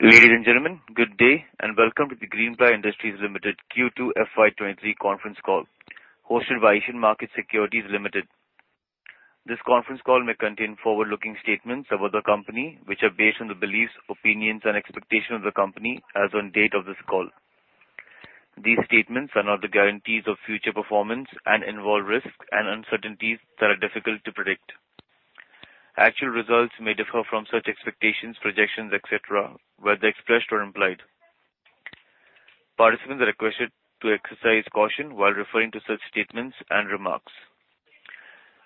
Ladies and gentlemen, good day, and welcome to the Greenply Industries Ltd Q2 FY 2023 conference call, hosted by Asian Market Securities Ltd. This conference call may contain forward-looking statements about the company, which are based on the beliefs, opinions, and expectations of the company as on date of this call. These statements are not the guarantees of future performance and involve risks and uncertainties that are difficult to predict. Actual results may differ from such expectations, projections, et cetera, whether expressed or implied. Participants are requested to exercise caution while referring to such statements and remarks.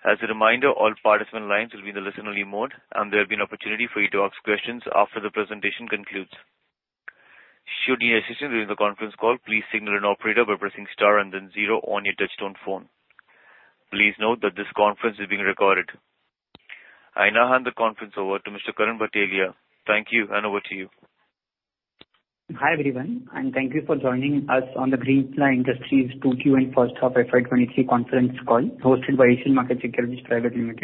As a reminder, all participant lines will be in the listen-only mode, and there will be an opportunity for you to ask questions after the presentation concludes. Should you need assistance during the conference call, please signal an operator by pressing star and then zero on your touchtone phone. Please note that this conference is being recorded. I now hand the conference over to Mr. Karan Bhatelia. Thank you, and over to you. Hi, everyone, and thank you for joining us on the Greenply Industries 2Q and first half FY 2023 conference call, hosted by Asian Markets Securities Pvt Ltd.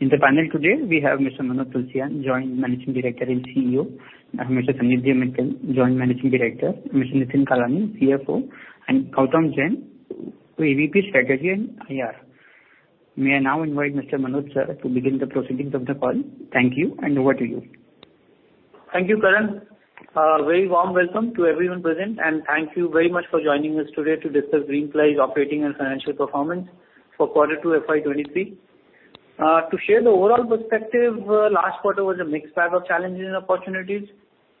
In the panel today, we have Mr. Manoj Tulsian, Joint Managing Director and CEO, and Mr. Sanidhya Mittal, Joint Managing Director, Mr. Nitin Kalani, CFO, and Gautam Jain, AVP, Strategy and IR. May I now invite Mr. Manoj sir to begin the proceedings of the call. Thank you, and over to you. Thank you, Karan. Very warm welcome to everyone present, and thank you very much for joining us today to discuss Greenply's operating and financial performance for quarter two, FY 2023. To share the overall perspective, last quarter was a mixed bag of challenges and opportunities.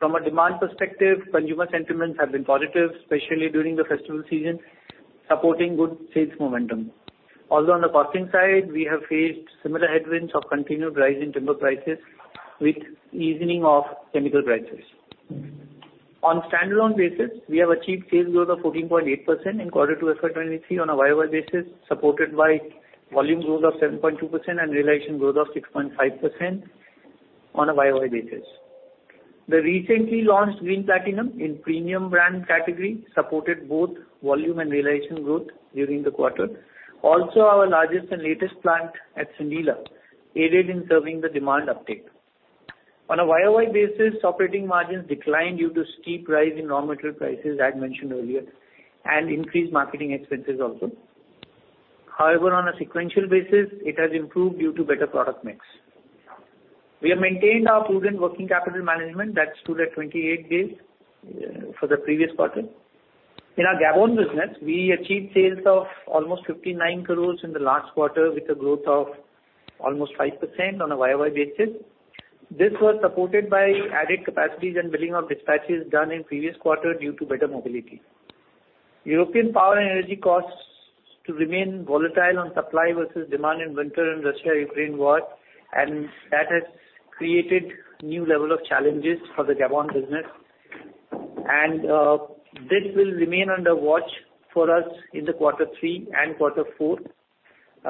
From a demand perspective, consumer sentiments have been positive, especially during the festival season, supporting good sales momentum. Although on the costing side, we have faced similar headwinds of continued rise in timber prices with easing of chemical prices. On standalone basis, we have achieved sales growth of 14.8% in quarter two, FY 2023 on a YoY basis, supported by volume growth of 7.2% and realization growth of 6.5% on a YoY basis. The recently launched Green Platinum in premium brand category, supported both volume and realization growth during the quarter. Also, our largest and latest plant at Sandila, aided in serving the demand uptake. On a YoY basis, operating margins declined due to steep rise in raw material prices, I had mentioned earlier, and increased marketing expenses also. However, on a sequential basis, it has improved due to better product mix. We have maintained our prudent working capital management, that stood at 28 days for the previous quarter. In our Gabon business, we achieved sales of almost 59 crores in the last quarter, with a growth of almost 5% on a YoY basis. This was supported by added capacities and billing of dispatches done in previous quarter due to better mobility. European power and energy costs to remain volatile on supply versus demand in winter and Russia-Ukraine war, and that has created new level of challenges for the Gabon business. This will remain under watch for us in quarter three and quarter four.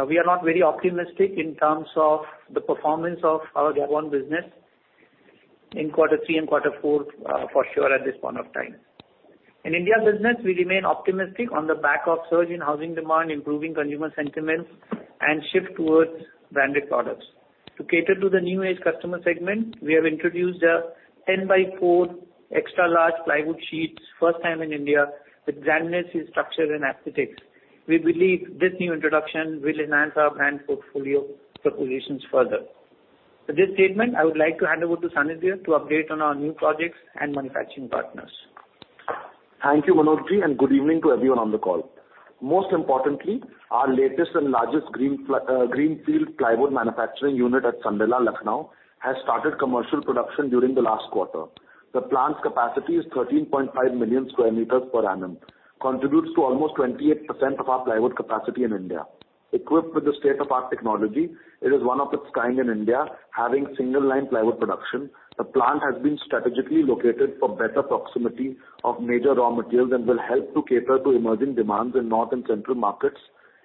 We are not very optimistic in terms of the performance of our Gabon business in quarter three and quarter four, for sure, at this point of time. In India business, we remain optimistic on the back of surge in housing demand, improving consumer sentiments, and shift towards branded products. To cater to the new age customer segment, we have introduced 10x4 extra large plywood sheets, first time in India, with grandness in structure and aesthetics. We believe this new introduction will enhance our brand portfolio propositions further. With this statement, I would like to hand over to Sanidhya to update on our new projects and manufacturing partners. Thank you, Manoj ji, and good evening to everyone on the call. Most importantly, our latest and largest greenfield plywood manufacturing unit at Sandila, Lucknow, has started commercial production during the last quarter. The plant's capacity is 13.5 million sq m per annum, contributes to almost 28% of our plywood capacity in India. Equipped with the state-of-the-art technology, it is one of a kind in India, having single line plywood production. The plant has been strategically located for better proximity of major raw materials and will help to cater to emerging demands in north and central markets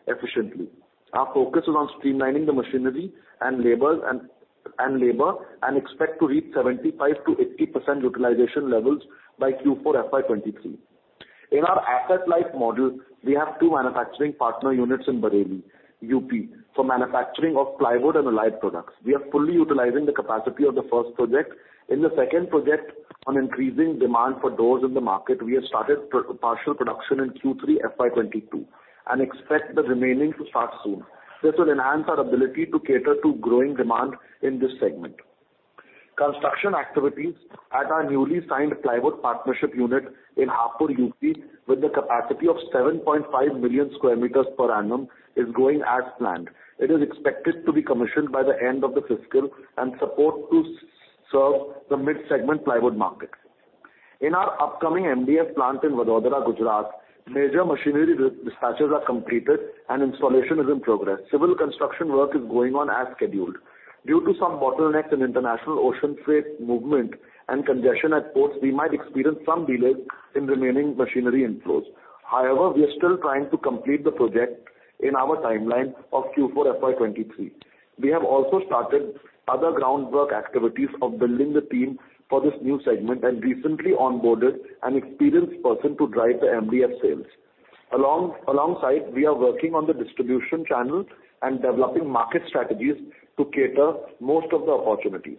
efficiently. Our focus is on streamlining the machinery and labor and expect to reach 75%-80% utilization levels by Q4 FY 2023. In our asset-light model, we have two manufacturing partner units in Bareilly, U.P., for manufacturing of plywood and allied products. We are fully utilizing the capacity of the first project. In the second project, on increasing demand for doors in the market, we have started partial production in Q3 FY 2022, and expect the remaining to start soon. This will enhance our ability to cater to growing demand in this segment. Construction activities at our newly signed plywood partnership unit in Hapur, U.P., with a capacity of 7.5 million sq m per annum, is going as planned. It is expected to be commissioned by the end of the fiscal and support to serve the mid-segment plywood market. In our upcoming MDF plant in Vadodara, Gujarat, major machinery dispatches are completed and installation is in progress. Civil construction work is going on as scheduled. Due to some bottlenecks in international ocean freight movement and congestion at ports, we might experience some delays in remaining machinery inflows. However, we are still trying to complete the project in our timeline of Q4 FY 2023. We have also started other groundwork activities of building the team for this new segment, and recently onboarded an experienced person to drive the MDF sales. Alongside, we are working on the distribution channel and developing market strategies to cater most of the opportunities.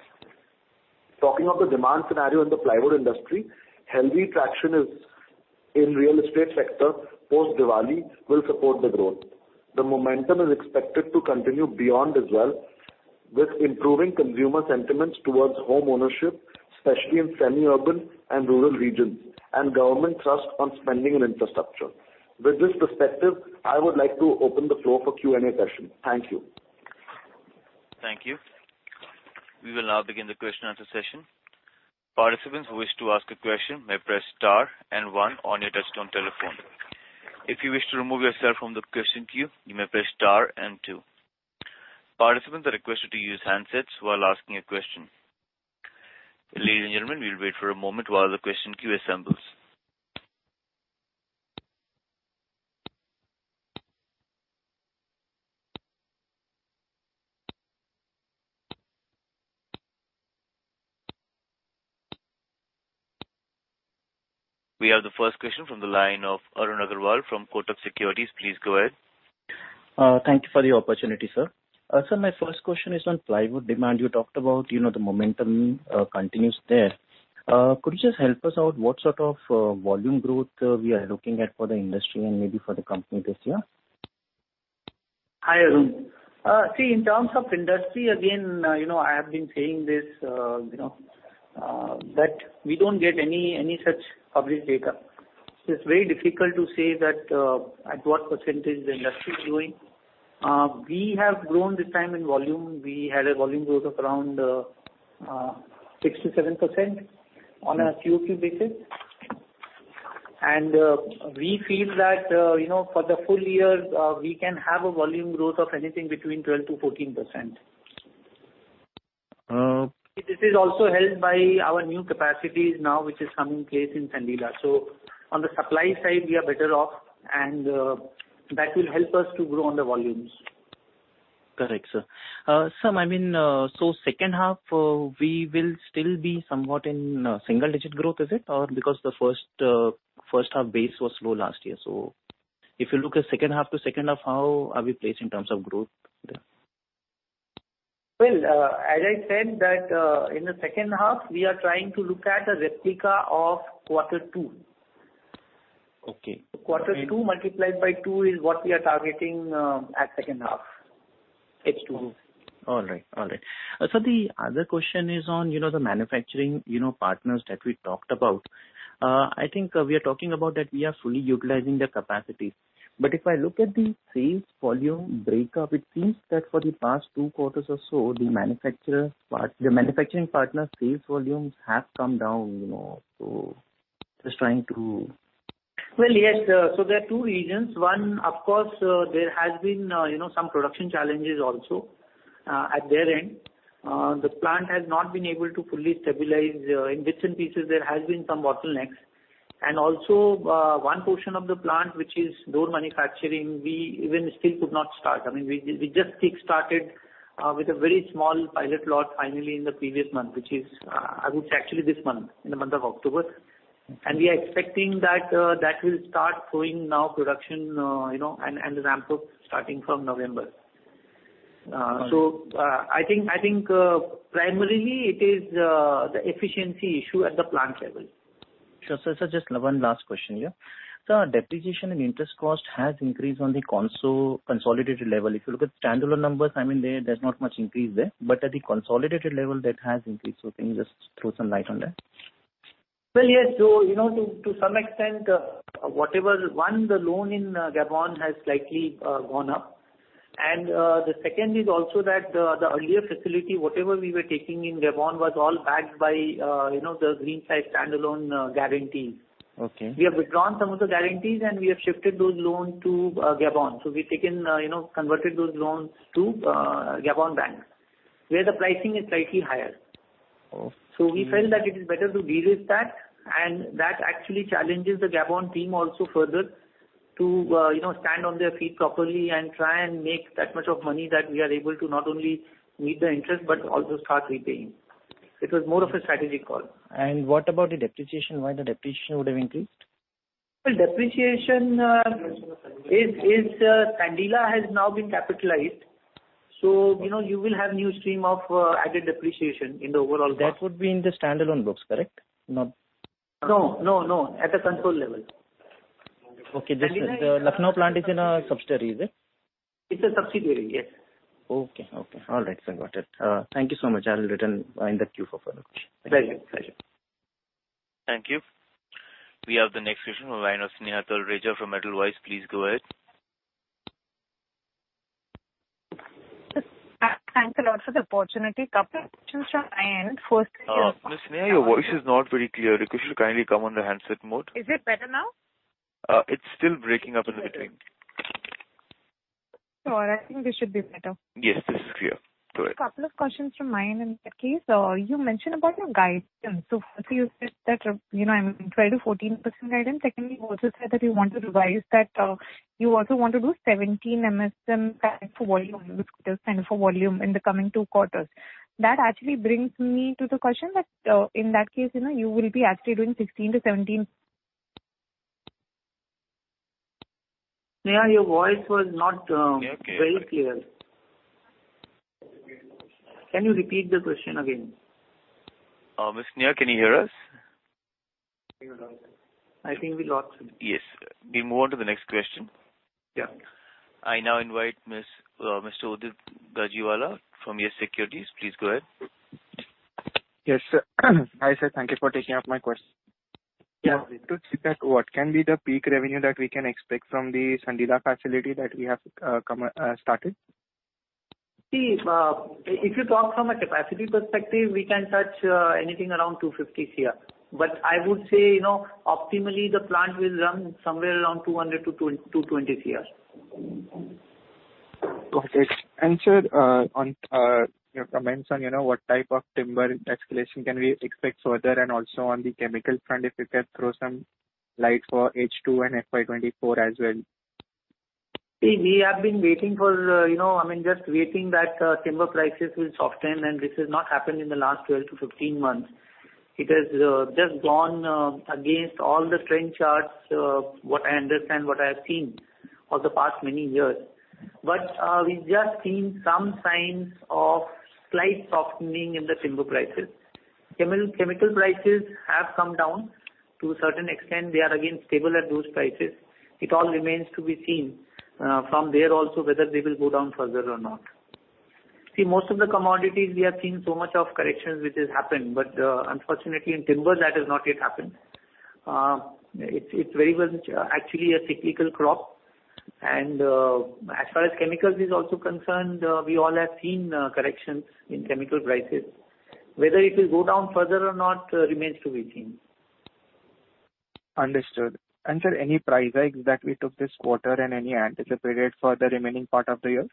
Talking of the demand scenario in the plywood industry, healthy traction is in real estate sector, post-Diwali will support the growth. The momentum is expected to continue beyond as well, with improving consumer sentiments towards homeownership, especially in semi-urban and rural regions, and government trust on spending on infrastructure. With this perspective, I would like to open the floor for Q&A session. Thank you. Thank you. We will now begin the question and answer session. Participants who wish to ask a question may press star and one on your touchtone telephone. If you wish to remove yourself from the question queue, you may press star and two. Participants are requested to use handsets while asking a question. Ladies and gentlemen, we will wait for a moment while the question queue assembles. We have the first question from the line of Arun Agarwal from Kotak Securities. Please go ahead. Thank you for the opportunity, sir. Sir, my first question is on plywood demand. You talked about, you know, the momentum continues there. Could you just help us out, what sort of volume growth we are looking at for the industry and maybe for the company this year? Hi, Arun. See, in terms of industry, again, you know, I have been saying this, you know, that we don't get any such public data. So it's very difficult to say that at what percentage the industry is growing. We have grown this time in volume. We had a volume growth of around 6%-7% on a QoQ basis. And we feel that, you know, for the full year, we can have a volume growth of anything between 12%-14%. Uh- This is also helped by our new capacities now, which is coming in place in Sandila. On the supply side, we are better off, and that will help us to grow on the volumes. Correct, sir. Sir, I mean, so second half, we will still be somewhat in single digit growth, is it? Or because the first half base was low last year. So if you look at second half to second half, how are we placed in terms of growth there? Well, as I said, that, in the second half, we are trying to look at a replica of quarter two. Okay. Quarter two multiplied by two is what we are targeting at second half. H2. All right. All right. So the other question is on, you know, the manufacturing, you know, partners that we talked about. I think we are talking about that we are fully utilizing their capacity. But if I look at the sales volume breakup, it seems that for the past two quarters or so, the manufacturing partner sales volumes have come down, you know, so just trying to... Well, yes, so there are two reasons. One, of course, there has been, you know, some production challenges also, at their end. The plant has not been able to fully stabilize. In bits and pieces, there has been some bottlenecks. And also, one portion of the plant, which is door manufacturing, we even still could not start. I mean, we just kick-started, with a very small pilot lot finally in the previous month, which is, I would say actually this month, in the month of October. And we are expecting that, that will start flowing now, production, you know, and, and ramp up starting from November. So, I think primarily it is, the efficiency issue at the plant level. Sure, sir. Just one last question here. Sir, depreciation and interest cost has increased on the consolidated level. If you look at standalone numbers, I mean, there, there's not much increase there, but at the consolidated level, that has increased. Can you just throw some light on that? Well, yes. So you know, to some extent, whatever. One, the loan in Gabon has slightly gone up. And the second is also that the earlier facility, whatever we were taking in Gabon, was all backed by, you know, the Greenply's standalone guarantees. Okay. We have withdrawn some of the guarantees, and we have shifted those loans to Gabon. So we've taken, you know, converted those loans to Gabon banks, where the pricing is slightly higher. Oh. We felt that it is better to de-risk that, and that actually challenges the Gabon team also further to, you know, stand on their feet properly and try and make that much of money that we are able to not only meet the interest, but also start repaying. It was more of a strategic call. What about the depreciation? Why the depreciation would have increased? Well, depreciation is. Sandila has now been capitalized, so you know, you will have new stream of added depreciation in the overall cost. That would be in the standalone books, correct? Not- No, no, no. At the console level. Okay. Just the Lucknow plant is in a subsidiary, is it? It's a subsidiary, yes. Okay, okay. All right, sir, got it. Thank you so much. I'll return in the queue for further question. Thank you. Thank you. We have the next question from the line of Sneha Talreja from Edelweiss. Please go ahead. Thanks a lot for the opportunity. Couple of questions, and first- Miss Sneha, your voice is not very clear. Could you kindly come on the handset mode? Is it better now? It's still breaking up in between. Sure, I think this should be better. Yes, this is clear. Go ahead. A couple of questions from my end in that case. You mentioned about your guidance. So firstly, you said that, you know, I'm trying to 14% guidance. Secondly, you also said that you want to revise that. You also want to do 17% MSM kind for volume, the sq m kind of volume in the coming two quarters. That actually brings me to the question that, in that case, you know, you will be actually doing 16%-17%. Sneha, your voice was not very clear. Okay. Can you repeat the question again? Miss Sneha, can you hear us? I think we lost her. Yes. We move on to the next question. Yeah. I now invite Miss, Mr. Udit Gajiwala from YES SECURITIES. Please go ahead. Yes, hi, sir. Thank you for taking up my question. Yeah. To check that, what can be the peak revenue that we can expect from the Sandila facility that we have started? See, if you talk from a capacity perspective, we can touch anything around INR 250s here. But I would say, you know, optimally, the plant will run somewhere around 200-INR 220s here. Got it. And, sir, on, your comments on, you know, what type of timber escalation can we expect further? And also on the chemical front, if you can throw some light for H2 and FY 2024 as well. See, we have been waiting for, you know, I mean, just waiting that, timber prices will soften, and this has not happened in the last 12-15 months. It has, just gone, against all the trend charts, what I understand, what I have seen over the past many years. But, we've just seen some signs of slight softening in the timber prices. Chemical, chemical prices have come down to a certain extent. They are again stable at those prices. It all remains to be seen, from there also, whether they will go down further or not. See, most of the commodities, we have seen so much of corrections which has happened, but, unfortunately in timbers, that has not yet happened. It's, it's very well, actually a cyclical crop. As far as chemicals is also concerned, we all have seen corrections in chemical prices. Whether it will go down further or not remains to be seen. Understood. And, sir, any price hikes that we took this quarter and any anticipated for the remaining part of the year?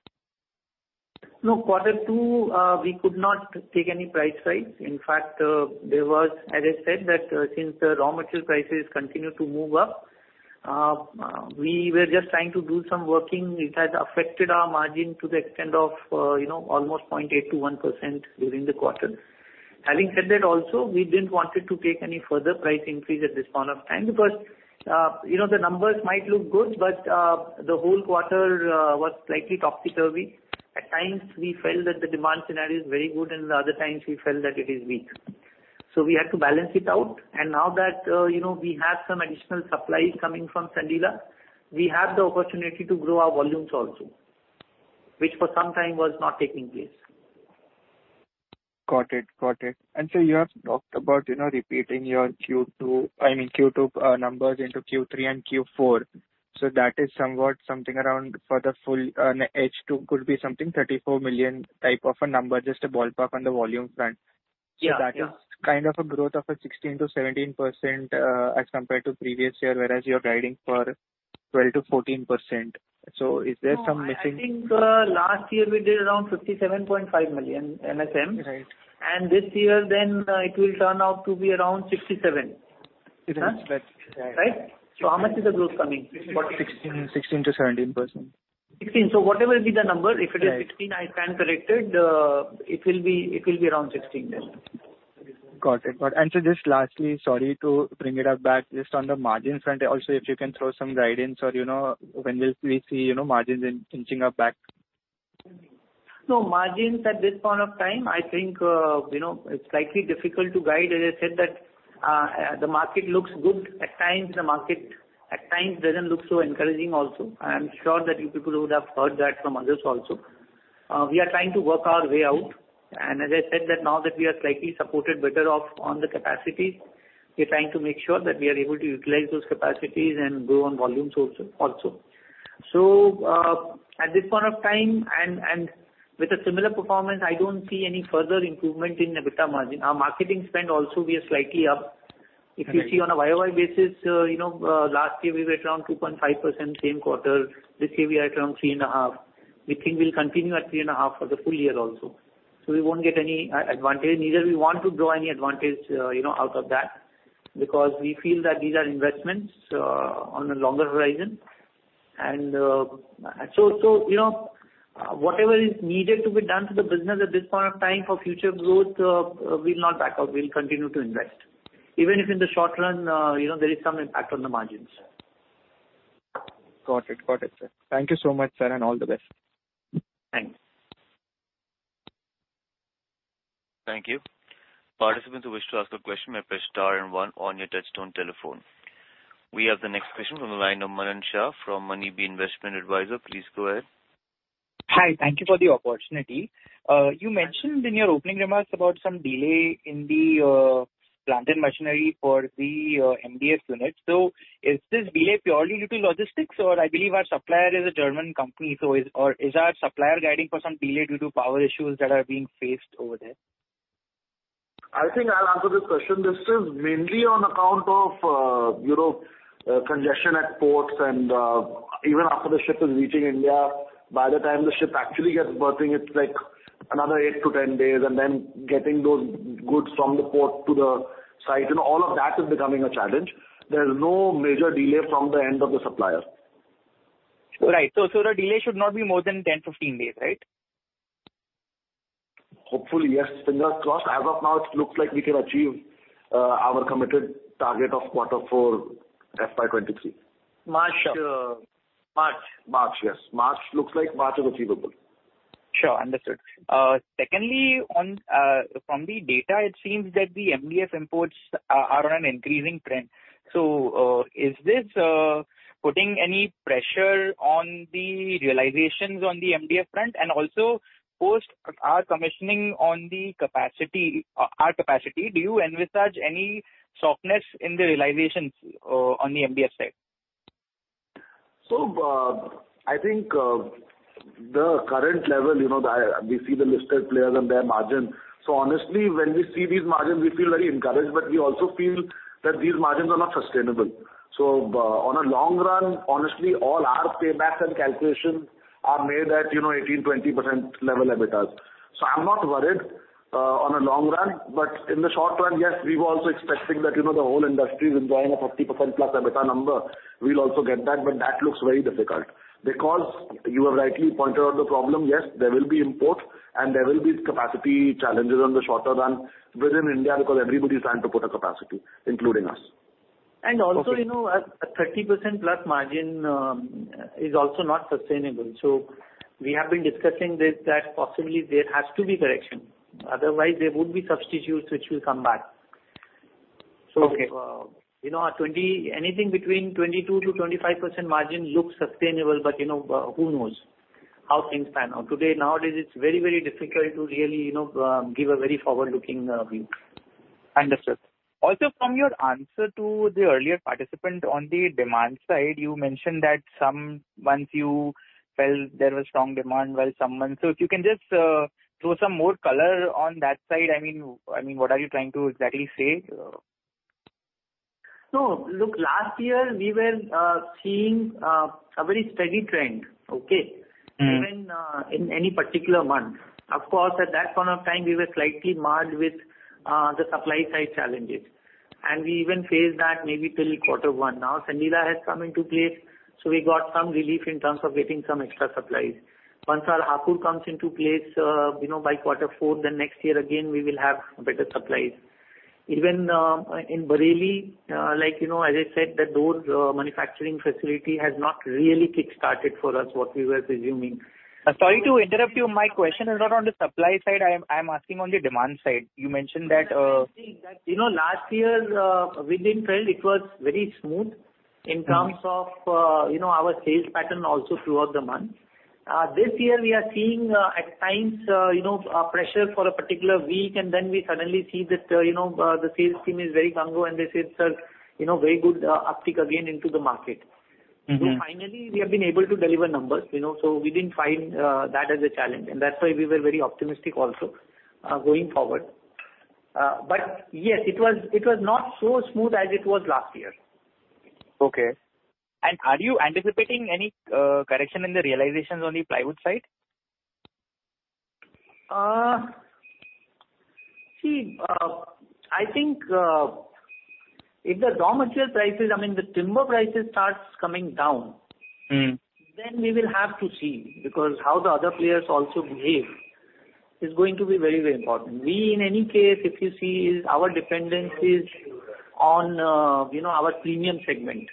No, quarter two, we could not take any price hikes. In fact, there was, as I said, that, since the raw material prices continued to move up, we were just trying to do some working. It has affected our margin to the extent of, you know, almost 0.8%-1% during the quarter. Having said that also, we didn't wanted to take any further price increase at this point of time, because, you know, the numbers might look good, but, the whole quarter, was slightly topsy-turvy. At times, we felt that the demand scenario is very good, and the other times we felt that it is weak. So we had to balance it out. Now that, you know, we have some additional supplies coming from Sandila, we have the opportunity to grow our volumes also, which for some time was not taking place. Got it. Got it. And sir, you have talked about, you know, repeating your Q2, I mean, Q2, numbers into Q3 and Q4. So that is somewhat something around for the full H2 could be something 34 million type of a number, just a ballpark on the volume front. Yeah, yeah. So that is kind of a growth of a 16%-17%, as compared to previous year, whereas you are guiding for 12%-14%. So is there some missing- No, I think, last year we did around 57.5 million MSM. Right. This year, then, it will turn out to be around 67. It is, right, right. Right? So how much is the growth coming? 16%-17%. 16%. So whatever will be the number, if it is 16%- Right.... I stand corrected, it will be, it will be around 16%. Got it. Got it. And so just lastly, sorry to bring it up back, just on the margin front, also, if you can throw some guidance or, you know, when will we see, you know, margins inching up back? No margins at this point of time, I think, you know, it's slightly difficult to guide. As I said, that, the market looks good. At times, the market, at times doesn't look so encouraging also. I am sure that you people would have heard that from others also. We are trying to work our way out, and as I said that now that we are slightly supported better off on the capacity, we're trying to make sure that we are able to utilize those capacities and grow on volumes also, also. So, at this point of time, and, and with a similar performance, I don't see any further improvement in EBITDA margin. Our marketing spend also we are slightly up. Okay. If you see on a YoY basis, you know, last year we were around 2.5%, same quarter. This year we are around 3.5%. We think we'll continue at 3.5% for the full year also. So we won't get any advantage. Neither we want to grow any advantage, you know, out of that, because we feel that these are investments on a longer horizon. So, you know, whatever is needed to be done to the business at this point of time for future growth, we'll not back out, we'll continue to invest. Even if in the short run, you know, there is some impact on the margins. Got it. Got it, sir. Thank you so much, sir, and all the best. Thanks. Thank you. Participants who wish to ask a question, may press star and one on your touchtone telephone. We have the next question from the line of Manan Shah from Moneybee Investment Advisors. Please go ahead. Hi, thank you for the opportunity. You mentioned in your opening remarks about some delay in the plant and machinery for the MDF unit. So is this delay purely due to logistics? Or I believe our supplier is a German company, so is... Or is our supplier guiding for some delay due to power issues that are being faced over there? I think I'll answer this question. This is mainly on account of, you know, congestion at ports and, even after the ship is reaching India, by the time the ship actually gets berthing, it's like another 8-10 days, and then getting those goods from the port to the site, and all of that is becoming a challenge. There is no major delay from the end of the supplier. Right. So, the delay should not be more than 10, 15 days, right? Hopefully, yes, fingers crossed. As of now, it looks like we can achieve our committed target of quarter four, FY 2023. March of, March? March, yes. March, looks like March is achievable. Sure, understood. Secondly, on, from the data, it seems that the MDF imports are on an increasing trend. So, is this putting any pressure on the realizations on the MDF front? And also, post our commissioning on the capacity, our capacity, do you envisage any softness in the realizations, on the MDF side? So, I think, the current level, you know, the, we see the listed players and their margin. So honestly, when we see these margins, we feel very encouraged, but we also feel that these margins are not sustainable. So, on a long run, honestly, all our paybacks and calculations are made at, you know, 18%-20% level EBITDA. So I'm not worried, on a long run, but in the short run, yes, we were also expecting that, you know, the whole industry is enjoying a 50%+ EBITDA number. We'll also get that, but that looks very difficult. Because you have rightly pointed out the problem, yes, there will be imports, and there will be capacity challenges on the shorter run within India, because everybody is trying to put a capacity, including us. Also, you know, a 30%+ margin is also not sustainable. We have been discussing this, that possibly there has to be correction. Otherwise, there would be substitutes which will come back. Okay. So, you know, anything between 22%-25% margin looks sustainable, but, you know, who knows how things pan out? Nowadays, it's very, very difficult to really, you know, give a very forward-looking view. Understood. Also, from your answer to the earlier participant on the demand side, you mentioned that some months you felt there was strong demand, while some months... So if you can just throw some more color on that side, I mean, I mean, what are you trying to exactly say? No, look, last year we were seeing a very steady trend, okay? Mm. Even in any particular month. Of course, at that point of time, we were slightly marred with the supply side challenges, and we even faced that maybe till quarter one. Now, Sandila has come into place, so we got some relief in terms of getting some extra supplies. Once our Hapur comes into place, you know, by quarter four, then next year again, we will have better supplies. Even in Bareilly, like, you know, as I said, that those manufacturing facility has not really kickstarted for us what we were assuming. Sorry to interrupt you. My question is not on the supply side, I am, I am asking on the demand side. You mentioned that. You know, last year, in retail, it was very smooth. Mm. In terms of, you know, our sales pattern also throughout the month. This year we are seeing, at times, you know, a pressure for a particular week, and then we suddenly see that, you know, the sales team is very gung ho, and they say, "Sir, you know, very good, uptick again into the market. Mm-hmm. So finally, we have been able to deliver numbers, you know, so we didn't find that as a challenge, and that's why we were very optimistic also, going forward. But yes, it was, it was not so smooth as it was last year. Okay. And are you anticipating any correction in the realizations on the plywood side? See, I think, if the raw material prices, I mean, the timber prices starts coming down- Mm. Then we will have to see, because how the other players also behave is going to be very, very important. We, in any case, if you see, is our dependence is on, you know, our premium segment,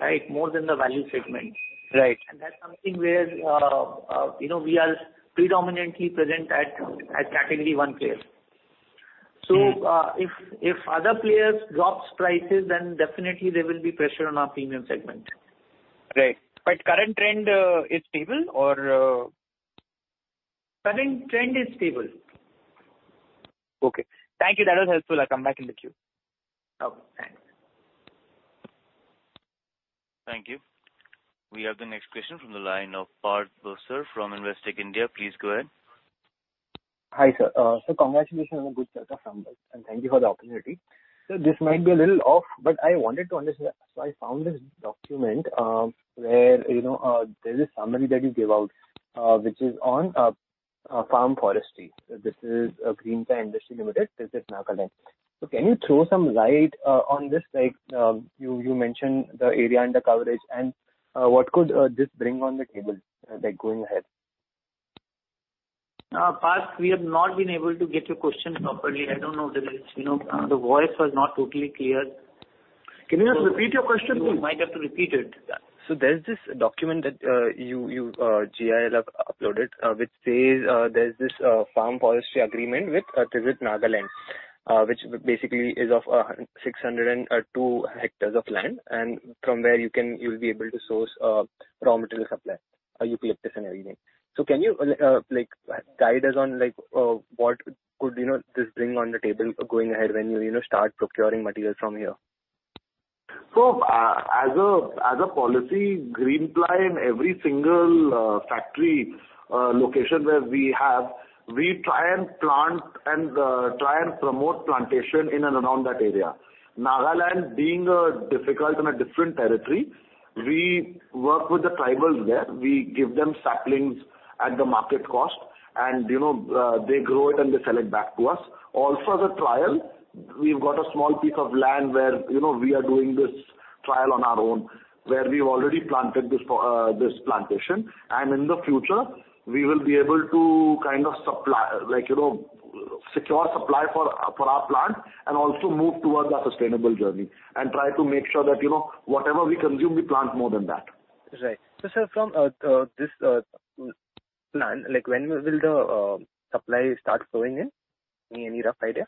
right? More than the value segment. Right. That's something where, you know, we are predominantly present at category one player. Mm. So, if other players drops prices, then definitely there will be pressure on our premium segment. Right. But current trend, is stable or? Current trend is stable. Okay. Thank you. That was helpful. I'll come back in the queue. Okay, thanks. Thank you. We have the next question from the line of Parth Bhavsar from Investec India. Please go ahead. Hi, sir. So congratulations on the good quarter from us, and thank you for the opportunity. So this might be a little off, but I wanted to understand. So I found this document, where, you know, there's a summary that you gave out, which is on a farm forestry. This is Greenply Industries Ltd, this is Nagaland. So can you throw some light on this? Like, you mentioned the area under coverage and what could this bring on the table, like going ahead? Parth, we have not been able to get your question properly. I don't know whether it's, you know, the voice was not totally clear. Can you just repeat your question, please? You might have to repeat it. So there's this document that you GIL have uploaded, which says there's this Farm Forestry Agreement with Tizit, Nagaland, which basically is of 602 hectares of land, and from where you can—you'll be able to source raw material supply, eucalyptus and everything. So can you like guide us on like what could you know this bring on the table going ahead when you you know start procuring materials from here? So, as a policy, Greenply in every single factory location where we have, we try and plant and try and promote plantation in and around that area. Nagaland being a difficult and a different territory, we work with the tribals there. We give them saplings at the market cost, and, you know, they grow it and they sell it back to us. Also, as a trial, we've got a small piece of land where, you know, we are doing this trial on our own, where we've already planted this plantation. And in the future, we will be able to kind of supply, like, you know, secure supply for our plant and also move towards our sustainable journey, and try to make sure that, you know, whatever we consume, we plant more than that. Right. So, sir, from this plan, like, when will the supply start flowing in? Any rough idea?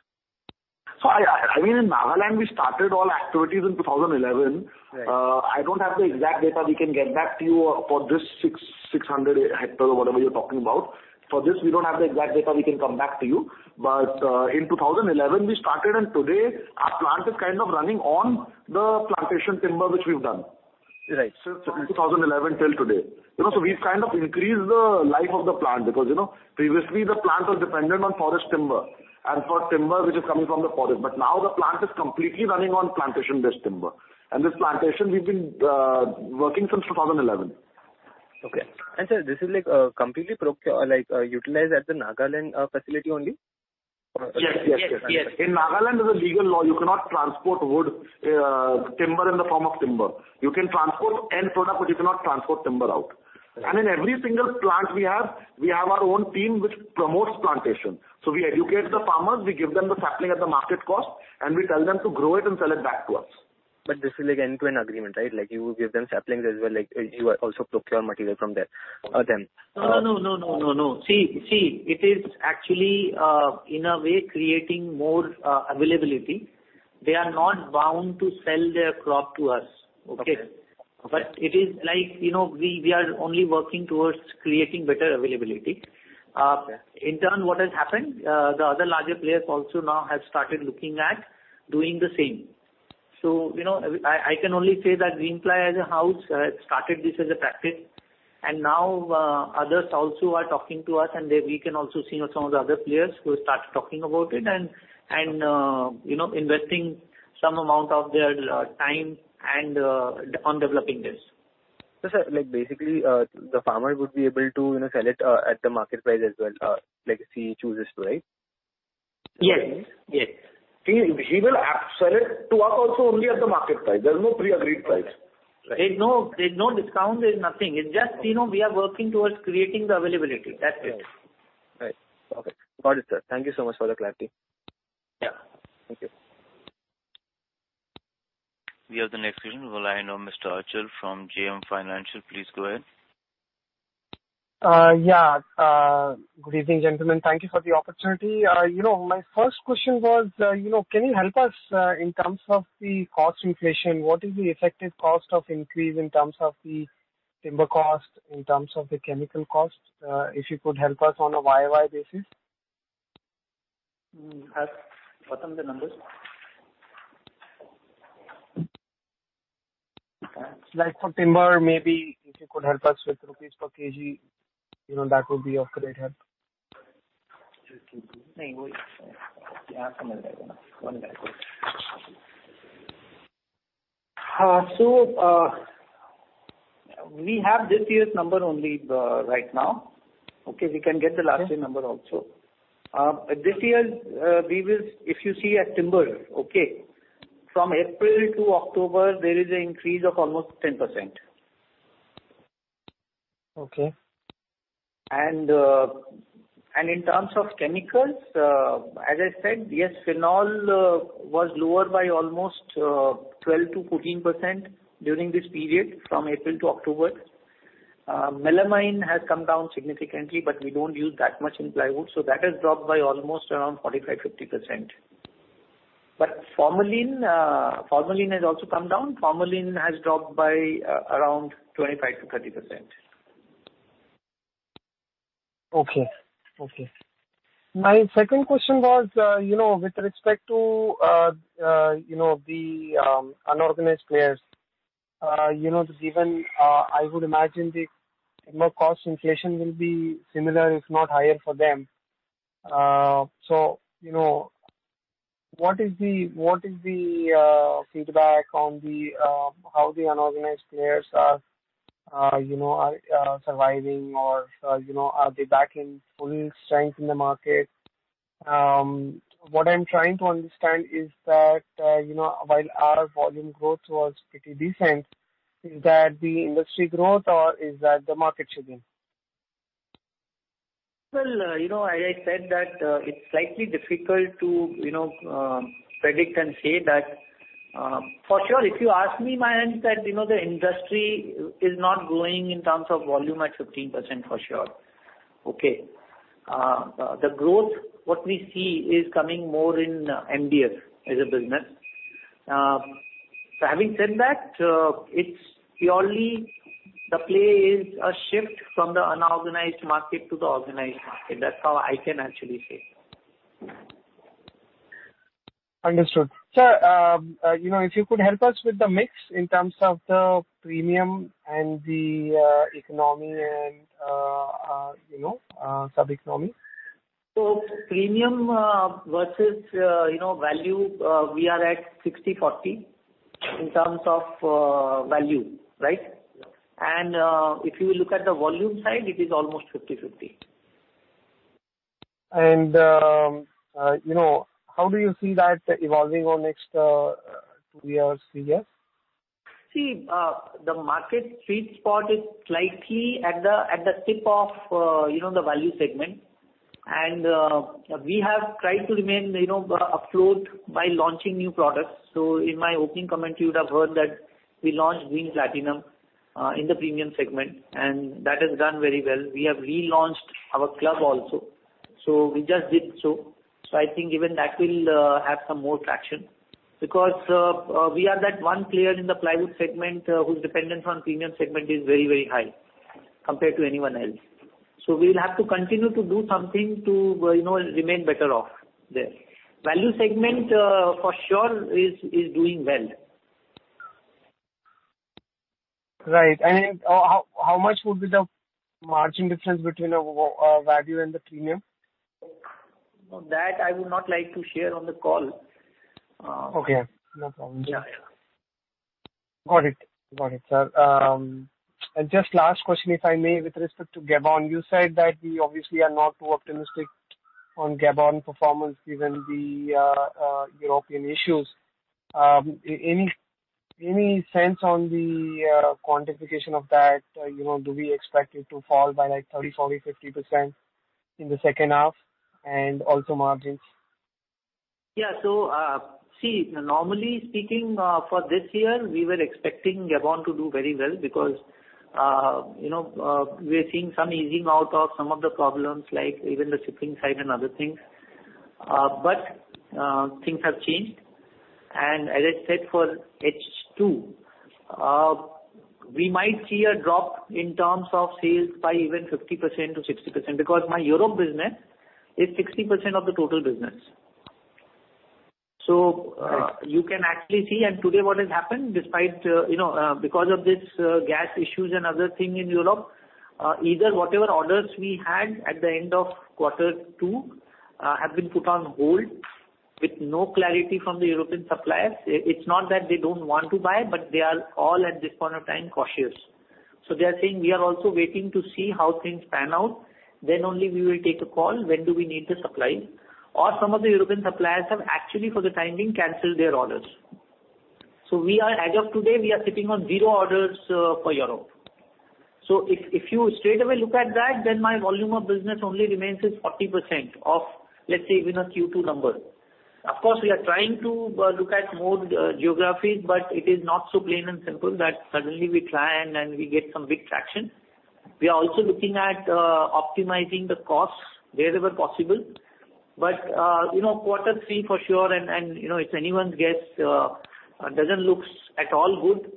I mean, in Nagaland, we started all activities in 2011. Right. I don't have the exact data. We can get back to you for this 600 hectare or whatever you're talking about. For this, we don't have the exact data, we can come back to you. But, in 2011, we started, and today our plant is kind of running on the plantation timber, which we've done. Right. Since 2011 till today. You know, so we've kind of increased the life of the plant because, you know, previously the plants were dependent on forest timber, and for timber, which is coming from the forest. But now the plant is completely running on plantation-based timber. And this plantation we've been working since 2011. Okay. And sir, this is, like, completely procured like utilized at the Nagaland facility only? Yes, yes, yes. Yes, yes. In Nagaland, there's a legal law, you cannot transport wood, timber in the form of timber. You can transport end product, but you cannot transport timber out. Right. In every single plant we have, we have our own team which promotes plantation. We educate the farmers, we give them the sapling at the market cost, and we tell them to grow it and sell it back to us. But this is, like, end-to-end agreement, right? Like, you give them saplings as well, like, you also procure material from there, them. No, no, no, no, no, no, no. See, see, it is actually, in a way creating more availability. They are not bound to sell their crop to us. Okay? Okay. But it is like, you know, we are only working towards creating better availability. Okay. In turn, what has happened, the other larger players also now have started looking at doing the same. So, you know, I can only say that Greenply as a house started this as a practice, and now, others also are talking to us and they, we can also see some of the other players who start talking about it and, you know, investing some amount of their time and on developing this. Sir, like, basically, the farmer would be able to, you know, sell it at the market price as well, like, if he chooses to, right? Yes, yes. He will sell it to us also only at the market price. There's no pre-agreed price. Right. There's no, there's no discount, there's nothing. It's just, you know, we are working towards creating the availability. That's it. Right. Right. Okay. Got it, sir. Thank you so much for the clarity. Yeah. Thank you. We have the next question. Well, I know Mr. Achal from JM Financial. Please go ahead. Yeah. Good evening, gentlemen. Thank you for the opportunity. You know, my first question was, you know, can you help us in terms of the cost inflation, what is the effective cost of increase in terms of the timber cost, in terms of the chemical cost? If you could help us on a YoY basis. Pat, what are the numbers? Like for timber, maybe if you could help us with INR per kg, you know, that would be of great help. So, we have this year's number only, right now. Okay, we can get the last year number also. Yeah. This year, we will... If you see at timber, okay, from April to October, there is an increase of almost 10%. Okay. And, and in terms of chemicals, as I said, yes, phenol was lower by almost 12%-14% during this period, from April to October. Melamine has come down significantly, but we don't use that much in plywood, so that has dropped by almost around 45%-50%. But formalin, formalin has also come down. Formalin has dropped by around 25%-30%. Okay. Okay. My second question was, you know, with respect to, you know, the unorganized players, you know, given, I would imagine the timber cost inflation will be similar, if not higher for them. So, you know, what is the feedback on the, how the unorganized players are, you know, are surviving or, you know, are they back in full strength in the market? What I'm trying to understand is that, you know, while our volume growth was pretty decent, is that the industry growth or is that the market sharing? Well, you know, I said that, it's slightly difficult to, you know, predict and say that. For sure, if you ask me, my answer is that, you know, the industry is not growing in terms of volume at 15%, for sure. Okay. The growth, what we see is coming more in, MDF as a business. So having said that, it's purely the play is a shift from the unorganized market to the organized market. That's how I can actually say. Understood. Sir, you know, if you could help us with the mix in terms of the premium and the economy and, you know, sub-economy. So premium versus, you know, value, we are at 60/40 in terms of value, right? And if you look at the volume side, it is almost 50/50. You know, how do you see that evolving on next two years, three years? See, the market sweet spot is slightly at the, at the tip of, you know, the value segment. We have tried to remain, you know, afloat by launching new products. So in my opening comment, you would have heard that we launched Green Platinum in the premium segment, and that has done very well. We have relaunched our club also. So we just did so. So I think even that will have some more traction because we are that one player in the plywood segment whose dependence on premium segment is very, very high compared to anyone else. So we will have to continue to do something to, you know, remain better off there. Value segment, for sure, is doing well. Right. And how much would be the margin difference between the value and the premium? That I would not like to share on the call. Okay, no problem. Yeah. Got it. Got it, sir. And just last question, if I may, with respect to Gabon. You said that we obviously are not too optimistic on Gabon performance, given the European issues. Any sense on the quantification of that? You know, do we expect it to fall by, like, 30%, 40%, 50% in the second half, and also margins? Yeah. So, see, normally speaking, for this year, we were expecting Gabon to do very well because, you know, we are seeing some easing out of some of the problems, like even the shipping side and other things. But, things have changed. And as I said, for H2, we might see a drop in terms of sales by even 50%-60%, because my Europe business is 60% of the total business. Right. So, you can actually see, and today what has happened despite, you know, because of this, gas issues and other thing in Europe, either whatever orders we had at the end of quarter two, have been put on hold with no clarity from the European suppliers. It's not that they don't want to buy, but they are all, at this point of time, cautious. So they are saying, "We are also waiting to see how things pan out, then only we will take a call when do we need the supply." Or some of the European suppliers have actually, for the time being, canceled their orders. So we are, as of today, we are sitting on zero orders, for Europe. So if you straightaway look at that, then my volume of business only remains is 40% of, let's say, even a Q2 number. Of course, we are trying to look at more geographies, but it is not so plain and simple that suddenly we try and we get some big traction. We are also looking at optimizing the costs wherever possible. But you know, quarter three for sure, and you know, it's anyone's guess, doesn't looks at all good.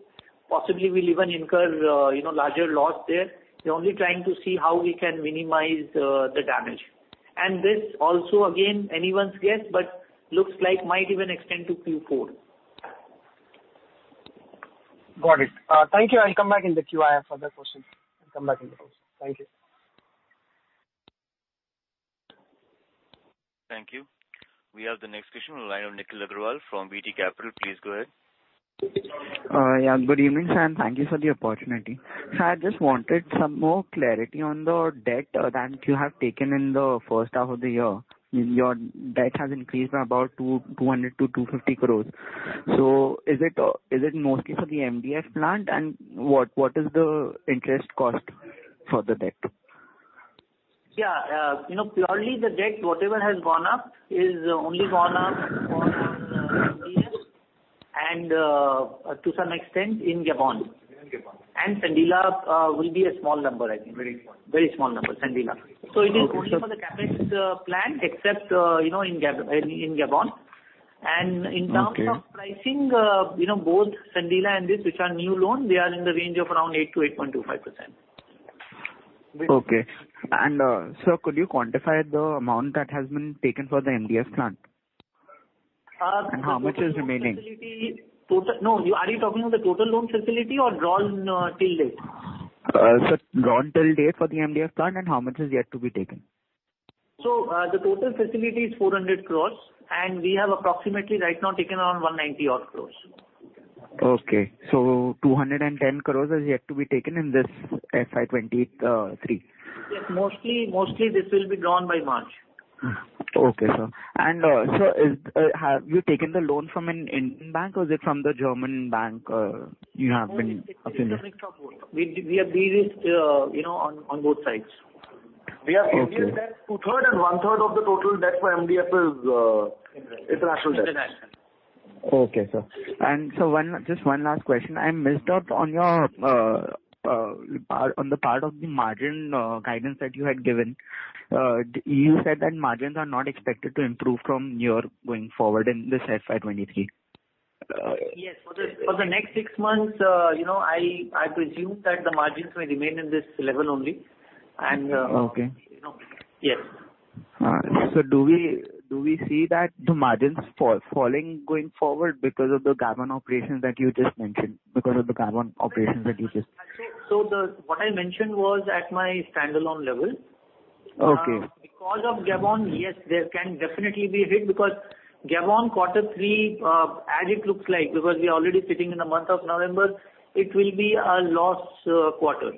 Possibly we'll even incur you know, larger loss there. We're only trying to see how we can minimize the damage. And this also, again, anyone's guess, but looks like might even extend to Q4. Got it. Thank you. I'll come back in the queue. I have further questions. I'll come back in the queue. Thank you. Thank you. We have the next question on the line of Nikhil Agrawal from VT Capital. Please go ahead. Yeah, good evening, sir, and thank you for the opportunity. Sir, I just wanted some more clarity on the debt that you have taken in the first half of the year. Your debt has increased by about 200 crores-250 crores. So is it mostly for the MDF plant, and what is the interest cost for the debt? Yeah, you know, purely the debt, whatever has gone up, is only gone up on, yes, and, to some extent in Gabon. Sandila will be a small number, I think. Very small number, Sandila. Okay. So it is only for the capacity plant, except, you know, in Gabon. Okay. In terms of pricing, you know, both Sandila and this, which are new loans, they are in the range of around 8%-8.25%. Okay. And, sir, could you quantify the amount that has been taken for the MDF plant? And how much is remaining? No, are you talking of the total loan facility or drawn, till date? Sir, drawn till date for the MDF plant, and how much is yet to be taken? So, the total facility is 400 crore, and we have approximately right now taken around 190 odd crore. Okay, so 210 crore is yet to be taken in this FY 2023. Yes, mostly, mostly this will be drawn by March. Okay, sir. And, sir, have you taken the loan from an Indian bank or is it from the German bank you have been affiliated? We have deals, you know, on both sides. Okay. We have Indian debt, 2/3 and 1/3 of the total debt for MDF is. International. International debt. International. Okay, sir. And sir, just one last question. I missed out on your part, on the part of the margin guidance that you had given. You said that margins are not expected to improve from here going forward in this FY 2023. Yes, for the next six months, you know, I presume that the margins may remain in this level only. And- Okay. You know. Yes. So do we, do we see that the margins falling going forward because of the Gabon operations that you just mentioned? Because of the Gabon operations that you just- Actually, so what I mentioned was at my standalone level. Because of Gabon, yes, there can definitely be a hit because Gabon quarter three, as it looks like, because we are already sitting in the month of November, it will be a loss quarter.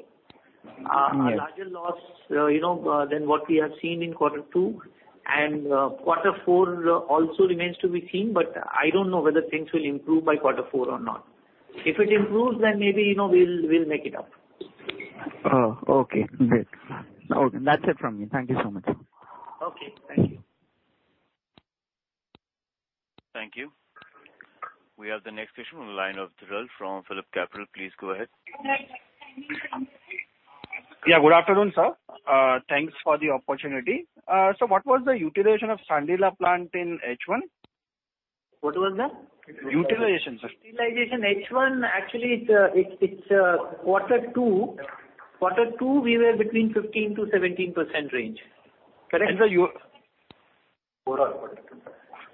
Yes. A larger loss, you know, than what we have seen in quarter two. Quarter four also remains to be seen, but I don't know whether things will improve by quarter four or not. If it improves, then maybe, you know, we'll make it up. Oh, okay. Great. Okay, that's it from me. Thank you so much. Okay, thank you. Thank you. We have the next question on the line of Dhiral from Phillip Capital. Please go ahead. Yeah, good afternoon, sir. Thanks for the opportunity. So what was the utilization of Sandila plant in H1? What was that? Utilization, sir. Utilization, H1, actually, it's quarter two. Quarter two, we were between 15%-17% range. Correct? And so, overall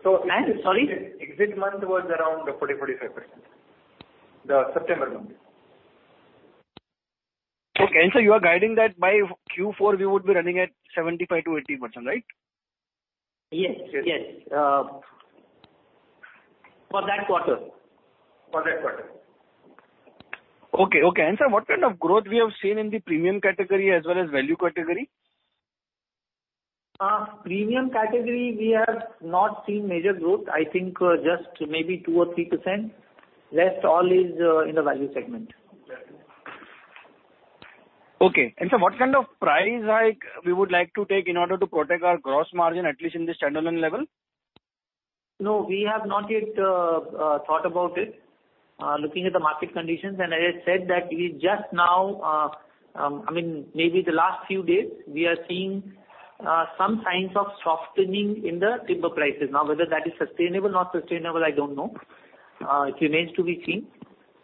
quarter. And sorry? Exit month was around 40%-45%. The September month. Okay. And sir, you are guiding that by Q4, we would be running at 75%-80%, right? Yes, yes. For that quarter. For that quarter. Okay, okay. Sir, what kind of growth we have seen in the premium category as well as value category? Premium category, we have not seen major growth. I think, just maybe 2% or 3%. Rest all is, in the value segment. Okay. And sir, what kind of price hike we would like to take in order to protect our gross margin, at least in the standalone level? No, we have not yet thought about it. Looking at the market conditions, and I had said that we just now, I mean, maybe the last few days, we are seeing some signs of softening in the timber prices. Now, whether that is sustainable or not sustainable, I don't know. It remains to be seen.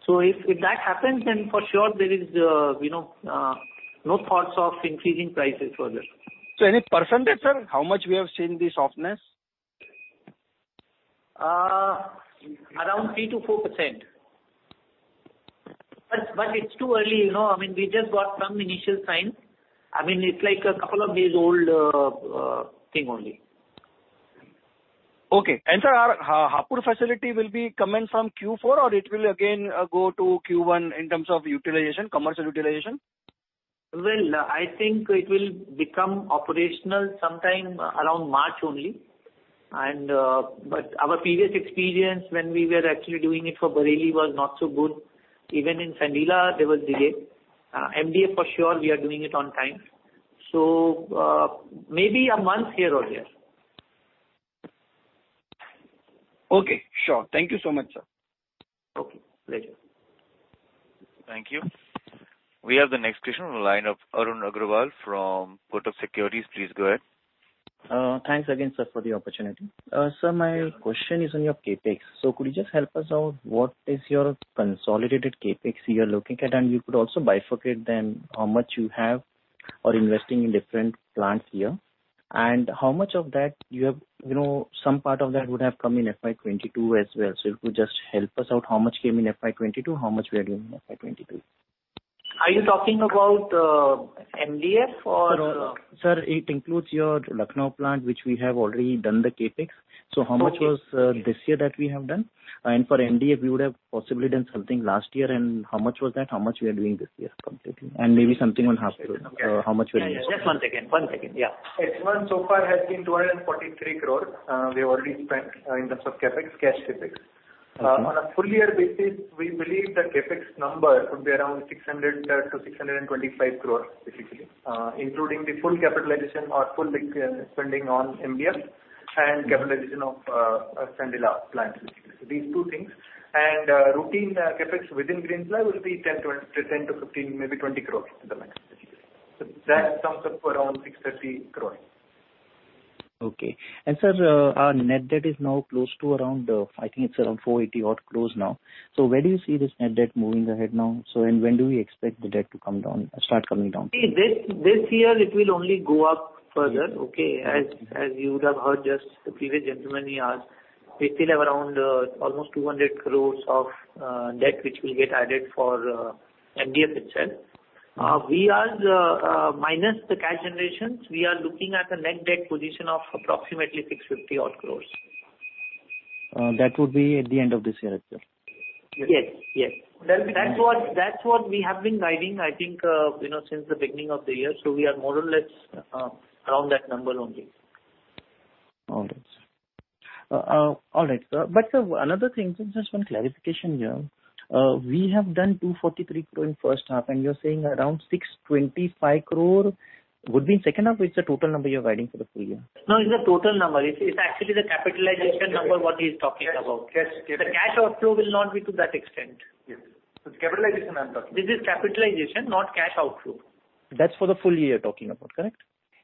So if, if that happens, then for sure, there is, you know, no thoughts of increasing prices further. So, any percentage, sir, how much we have seen the softness? Around 3%-4%. But it's too early, you know? I mean, we just got some initial signs. I mean, it's like a couple of days old, thing only. Okay. And sir, our Hapur facility will be coming from Q4, or it will again go to Q1 in terms of utilization, commercial utilization? Well, I think it will become operational sometime around March only, and, but our previous experience when we were actually doing it for Bareilly was not so good. Even in Sandila, there was delay. MDF for sure, we are doing it on time. So, maybe a month here or there. Okay, sure. Thank you so much, sir. Okay, pleasure. Thank you. We have the next question on the line of Arun Agarwal from Kotak Securities. Please go ahead. Thanks again, sir, for the opportunity. Sir, my question is on your CapEx. So could you just help us out, what is your consolidated CapEx you are looking at? And you could also bifurcate then how much you have or investing in different plants here. And how much of that you have, you know, some part of that would have come in FY 2022 as well. So if you could just help us out, how much came in FY 2022, how much we are doing in FY 2022? Are you talking about MDF or- Sir, sir, it includes your Lucknow plant, which we have already done the CapEx. Okay. So how much was this year that we have done? And for MDF, we would have possibly done something last year, and how much was that? How much we are doing this year completely, and maybe something on Hapur, how much we are doing? Just one second. One second, yeah. H1 so far has been 243 crore. We've already spent, in terms of CapEx, cash CapEx. Okay. On a full year basis, we believe the CapEx number would be around 600 crores-625 crores, basically. Including the full capitalization or full spending on MDF and capitalization of the Sandila plant, basically. These two things. Routine CapEx within Greenply will be 10 crores-15 crores, maybe 20 crores at the maximum. That sums up around 650 crores. Okay. And sir, our net debt is now close to around, I think it's around 480 odd crores now. So where do you see this net debt moving ahead now? So and when do we expect the debt to come down, start coming down? See, this, this year it will only go up further, okay? Yes. As you would have heard just the previous gentleman, he asked, we still have around almost 200 crore of debt which will get added for MDF itself. We are, minus the cash generations, looking at a net debt position of approximately 650 crore. That would be at the end of this year as well? Yes, yes. Yes. That's what, that's what we have been guiding, I think, you know, since the beginning of the year, so we are more or less around that number only. All right, sir. All right, sir. But sir, another thing, just one clarification here. We have done 243 crore in first half, and you're saying around 625 crore would be in second half, or it's the total number you're guiding for the full year? No, it's the total number. It's actually the capitalization number, what he's talking about. Yes, yes. The cash outflow will not be to that extent. Yes. It's capitalization I'm talking about. This is capitalization, not cash outflow. That's for the full year you're talking about, correct?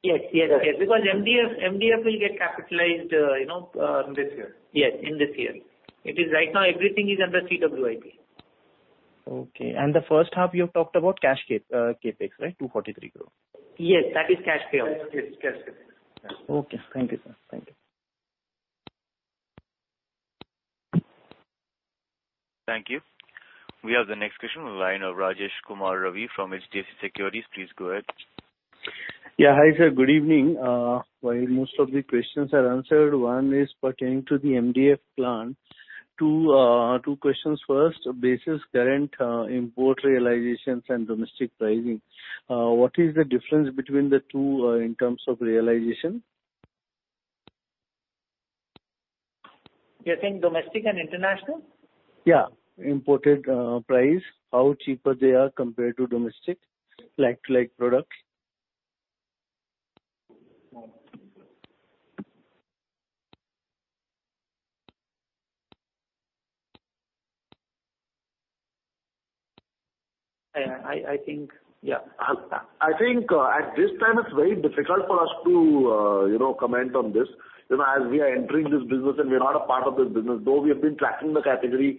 Yes, yes, yes. Yes. Because MDF, MDF will get capitalized, you know, In this year. Yes, in this year. It is right now, everything is under CWIP. Okay. And the first half, you have talked about cash CapEx, right? 243 crore. Yes, that is cash payout. Yes, it's CapEx. Okay, thank you, sir. Thank you.... Thank you. We have the next question in the line of Rajesh Kumar Ravi from HDFC Securities. Please go ahead. Yeah. Hi, sir. Good evening. While most of the questions are answered, one is pertaining to the MDF plant. Two, two questions first, basis current import realizations and domestic pricing, what is the difference between the two, in terms of realization? You're saying domestic and international? Yeah. Imported price, how cheaper they are compared to domestic like-to-like products. I think, yeah. I think, at this time, it's very difficult for us to, you know, comment on this. You know, as we are entering this business and we are not a part of this business, though we have been tracking the category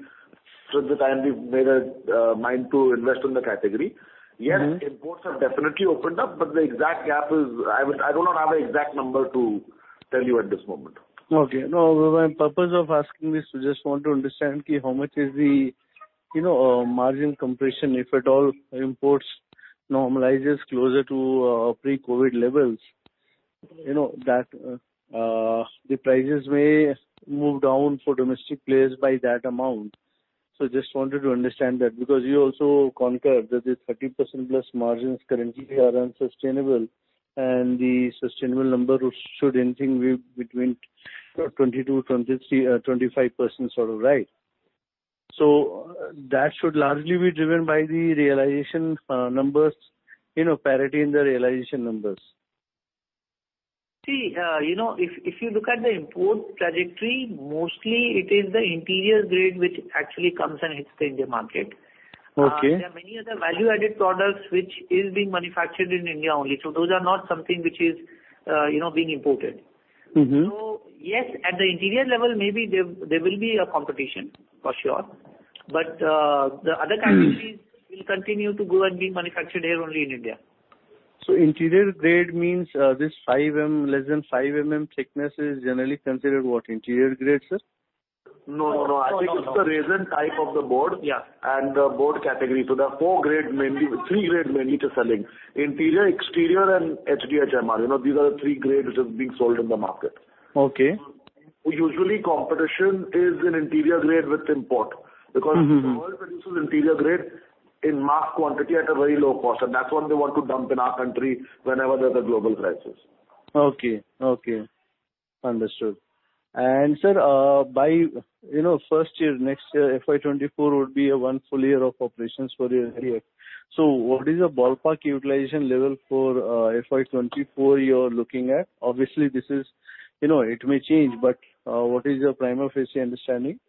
since the time we've made up our mind to invest in the category. Mm-hmm. Yes, imports have definitely opened up, but the exact gap is... I do not have an exact number to tell you at this moment. Okay. No, my purpose of asking this, I just want to understand how much is the, you know, margin compression, if at all, imports normalize closer to pre-COVID levels. You know, that the prices may move down for domestic players by that amount. So just wanted to understand that, because you also concurred that the 30%+ margins currently are unsustainable, and the sustainable number should anything be between 22%, 23%, 25%, sort of right. So that should largely be driven by the realization numbers, you know, parity in the realization numbers. See, you know, if you look at the import trajectory, mostly it is the interior grade which actually comes and hits the India market. Okay. There are many other value-added products which is being manufactured in India only. So those are not something which is, you know, being imported. Mm-hmm. Yes, at the interior level, maybe there will be a competition, for sure. But, the other categories- Mm. Will continue to grow and be manufactured here only in India. Interior grade means, this 5 mm, less than 5 mm thickness is generally considered what? Interior grade, sir? No, no, no. No. I think it's the resin type of the board- Yeah. The board category. So there are four grades, mainly three grades, mainly to selling: interior, exterior, and HDHMR. You know, these are the three grades which is being sold in the market. Okay. Usually competition is in interior grade with import- Mm-hmm. Because the world produces interior grade in mass quantity at a very low cost, and that's what they want to dump in our country whenever there's a global crisis. Okay, okay. Understood. And sir, by, you know, first year, next year, FY 2024 would be a one full year of operations for the area. So what is your ballpark utilization level for FY 2024 you're looking at? Obviously, this is, you know, it may change, but what is your prima facie understanding?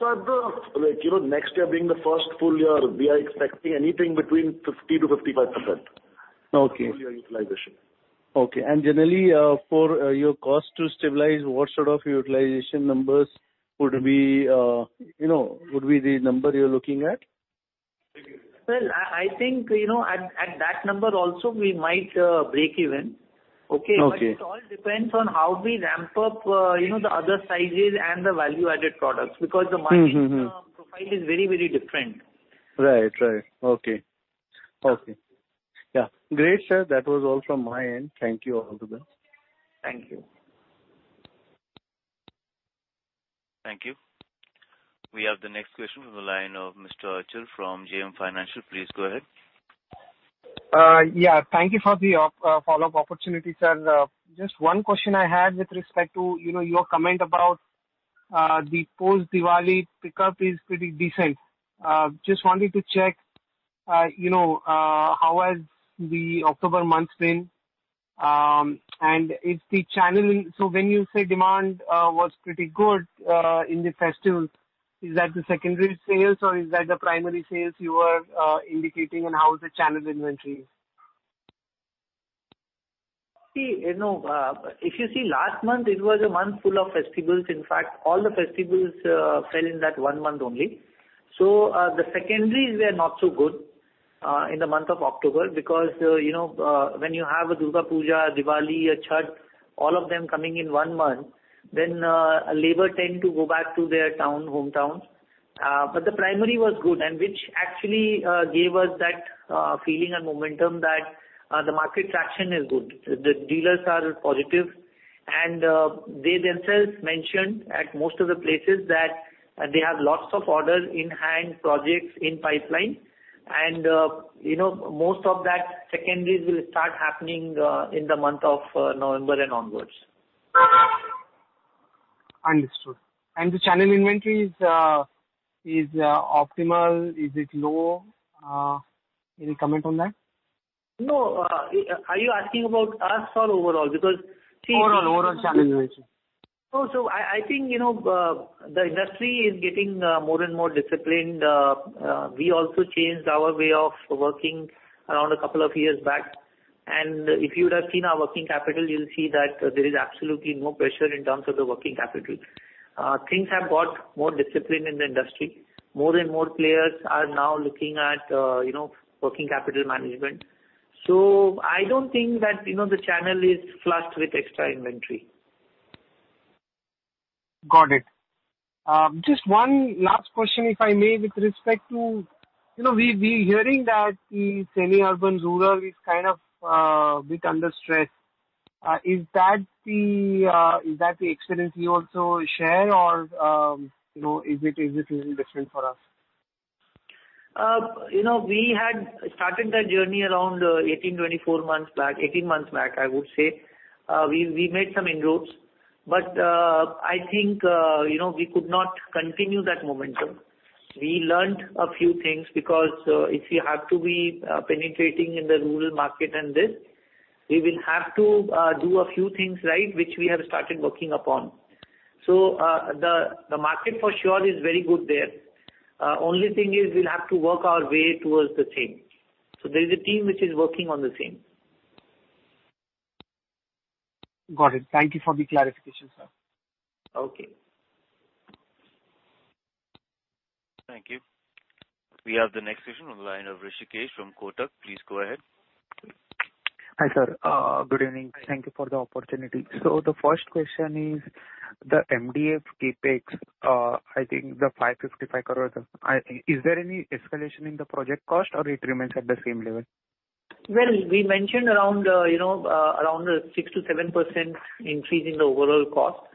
At the... Like, you know, next year being the first full year, we are expecting anything between 50%-55%. Okay. Utilization. Okay. Generally, for your cost to stabilize, what sort of utilization numbers would be, you know, would be the number you're looking at? Well, I think, you know, at that number also we might break even. Okay? Okay. It all depends on how we ramp up, you know, the other sizes and the value-added products, because the margin- Mm-hmm, mm-hmm. Profile is very, very different. Right, right. Okay. Okay. Yeah. Great, sir. That was all from my end. Thank you all to that. Thank you. Thank you. We have the next question from the line of Mr. Achal from JM Financial. Please go ahead. Yeah, thank you for the op, follow-up opportunity, sir. Just one question I had with respect to, you know, your comment about, the post-Diwali pickup is pretty decent. Just wanted to check, you know, how has the October month been? And is the channel... So when you say demand, was pretty good, in the festival, is that the secondary sales or is that the primary sales you are, indicating and how is the channel inventory? See, you know, if you see last month, it was a month full of festivals. In fact, all the festivals fell in that one month only. So, the secondaries were not so good in the month of October, because, you know, when you have a Durga Puja, Diwali, a Chhath, all of them coming in one month, then, labor tend to go back to their town, hometowns. But the primary was good, and which actually gave us that feeling and momentum that the market traction is good. The dealers are positive, and they themselves mentioned at most of the places that they have lots of orders in hand, projects in pipeline, and, you know, most of that secondaries will start happening in the month of November and onwards. Understood. And the channel inventory is optimal? Is it low? Any comment on that? No, are you asking about us or overall? Because- Overall, overall channel inventory. Oh, so I think, you know, the industry is getting more and more disciplined. We also changed our way of working around a couple of years back. And if you would have seen our working capital, you'll see that there is absolutely no pressure in terms of the working capital. Things have got more discipline in the industry. More and more players are now looking at, you know, working capital management. So I don't think that, you know, the channel is flushed with extra inventory. Got it. Just one last question, if I may, with respect to, you know, we, we're hearing that the semi-urban, rural is kind of, bit under stress. Is that the experience you also share or, you know, is it, is it little different for us? You know, we had started that journey around 18-24 months back. 18 months back, I would say. We made some inroads, but I think, you know, we could not continue that momentum. We learned a few things because if you have to be penetrating in the rural market and this, we will have to do a few things right, which we have started working upon. So the market for sure is very good there. Only thing is, we'll have to work our way towards the same. So there is a team which is working on the same. Got it. Thank you for the clarification, sir. Okay. Thank you. We have the next question on the line of Rishikesh from Kotak. Please go ahead. Hi, sir. Good evening. Thank you for the opportunity. So the first question is the MDF CapEx, I think the 555 crore, is there any escalation in the project cost or it remains at the same level? Well, we mentioned around, you know, around 6%-7% increase in the overall cost.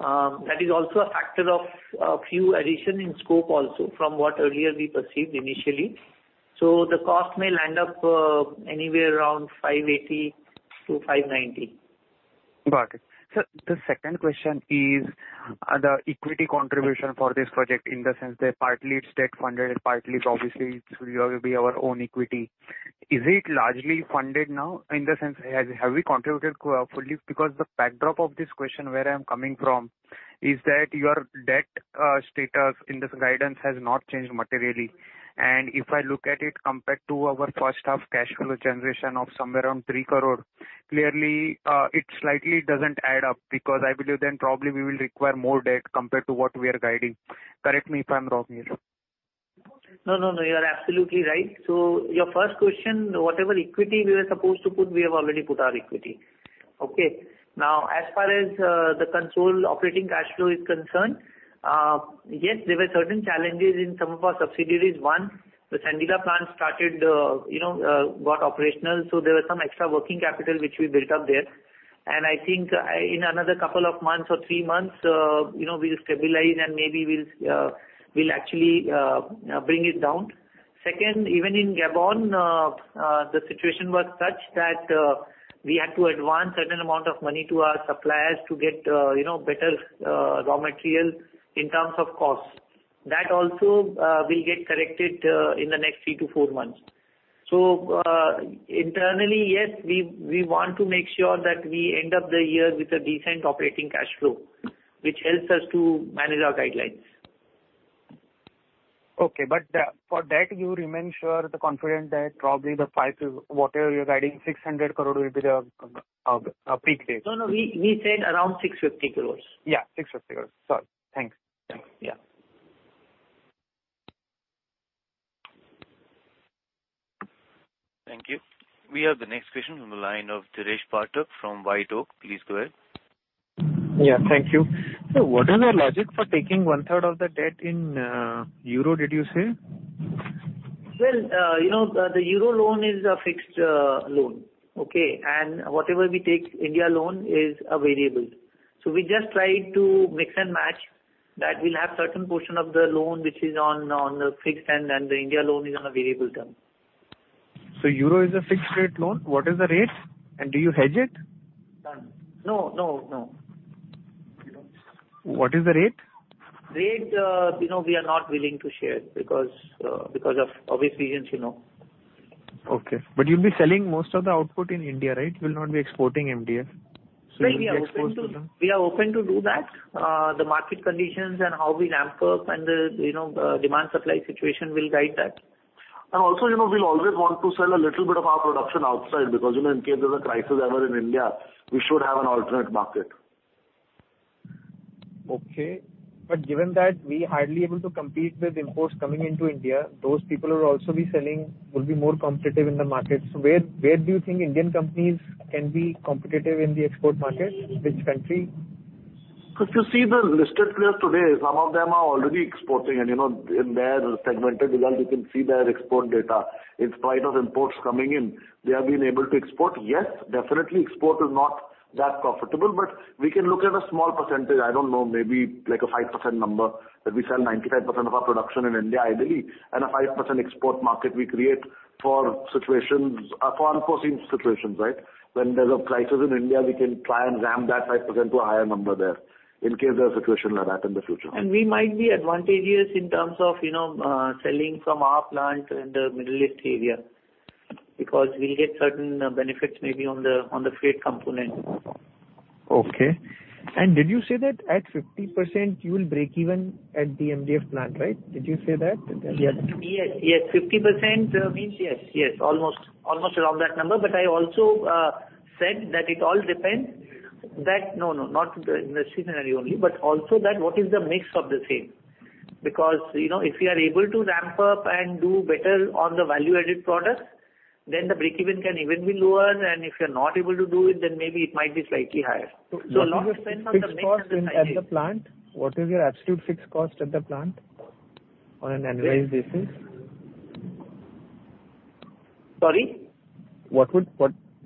That is also a factor of a few addition in scope also, from what earlier we perceived initially. So the cost may land up anywhere around 580-590. Got it. So the second question is, the equity contribution for this project, in the sense that partly it's debt-funded, and partly it's obviously, it will be our own equity. Is it largely funded now? In the sense, have we contributed fully? Because the backdrop of this question where I'm coming from, is that your debt status in this guidance has not changed materially. And if I look at it compared to our first half cash flow generation of somewhere around 3 crore, clearly, it slightly doesn't add up, because I believe then probably we will require more debt compared to what we are guiding. Correct me if I'm wrong here. No, no, no, you are absolutely right. So your first question, whatever equity we were supposed to put, we have already put our equity. Okay? Now, as far as the control operating cash flow is concerned, yes, there were certain challenges in some of our subsidiaries. One, the Sandila plant started, you know, got operational, so there was some extra working capital which we built up there. And I think, in another couple of months or three months, you know, we'll stabilize and maybe we'll actually bring it down. Second, even in Gabon, the situation was such that, we had to advance certain amount of money to our suppliers to get, you know, better raw materials in terms of cost. That also will get corrected in the next three to four months. Internally, yes, we, we want to make sure that we end up the year with a decent operating cash flow, which helps us to manage our guidelines. Okay, but for that you remain sure, you're confident that probably the 500 crore... whatever you're guiding, 600 crore will be the peak debt? No, no, we, we said around 650 crore. Yeah, 650 crore. Sorry. Thanks. Yeah. Thank you. We have the next question on the line of Dheeresh Pathak from WhiteOak. Please go ahead. Yeah, thank you. So what is your logic for taking one third of the debt in euro, did you say? Well, you know, the euro loan is a fixed loan, okay? And whatever we take India loan is a variable. So we just try to mix and match, that we'll have certain portion of the loan which is on the fixed, and then the India loan is on a variable term. So Euro is a fixed rate loan? What is the rate, and do you hedge it? None. No, no, no. We don't. What is the rate? Rate, you know, we are not willing to share because, because of obvious reasons, you know. Okay. But you'll be selling most of the output in India, right? You will not be exporting MDF. So you'll be exposed to them. We are open to, we are open to do that. The market conditions and how we ramp up and the, you know, the demand-supply situation will guide that. And also, you know, we'll always want to sell a little bit of our production outside, because, you know, in case there's a crisis ever in India, we should have an alternate market. Okay. But given that we're hardly able to compete with imports coming into India, those people will also be selling, will be more competitive in the market. So where, where do you think Indian companies can be competitive in the export market? Which country? If you see the listed players today, some of them are already exporting and, you know, in their segmented results, you can see their export data. In spite of imports coming in, they have been able to export. Yes, definitely export is not that profitable, but we can look at a small percentage, I don't know, maybe like a 5% number, that we sell 95% of our production in India, ideally. And a 5% export market we create for situations, for unforeseen situations, right? When there's a crisis in India, we can try and ramp that 5% to a higher number there, in case there's a situation like that in the future. We might be advantageous in terms of, you know, selling from our plant in the Middle East area, because we'll get certain benefits maybe on the freight component. Okay. And did you say that at 50% you will break even at the MDF plant, right? Did you say that? Yes, yes, 50%, means yes, yes, almost, almost around that number. But I also said that it all depends that... No, no, not the, the seasonality only, but also that what is the mix of the same? Because, you know, if we are able to ramp up and do better on the value-added products, then the breakeven can even be lower, and if you're not able to do it, then maybe it might be slightly higher. So a lot depends on the mix and the- What is your fixed cost in, at the plant? What is your absolute fixed cost at the plant on an annualized basis? Sorry? What,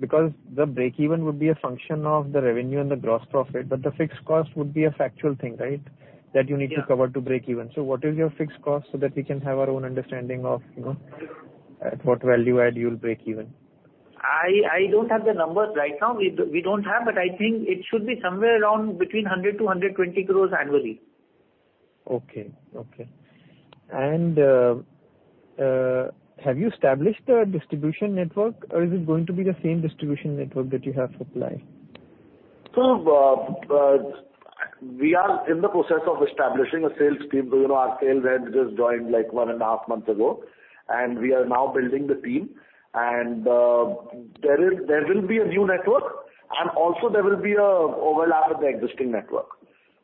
because the breakeven would be a function of the revenue and the gross profit, but the fixed cost would be a factual thing, right? Yeah. That you need to cover to breakeven. So what is your fixed cost, so that we can have our own understanding of, you know, at what value add you will breakeven? I don't have the numbers right now. We don't have, but I think it should be somewhere around between 100 crore-120 crore annually. Okay, okay. Have you established a distribution network, or is it going to be the same distribution network that you have for ply? So, we are in the process of establishing a sales team. You know, our sales head just joined, like, one and a half months ago, and we are now building the team. And, there will be a new network, and also there will be a overlap with the existing network.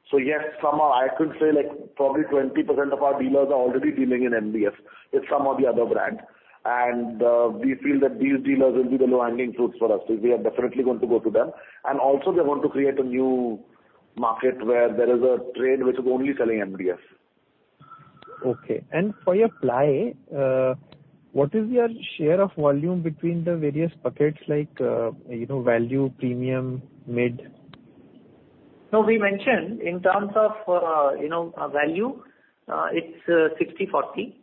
So yes, some are, I could say, like, probably 20% of our dealers are already dealing in MDF with some of the other brands. And, we feel that these dealers will be the low-hanging fruits for us, so we are definitely going to go to them. And also we want to create a new market where there is a trade which is only selling MDF. Okay. And for your ply, what is your share of volume between the various buckets like, you know, value, premium, mid? No, we mentioned in terms of, you know, value, it's 60/40,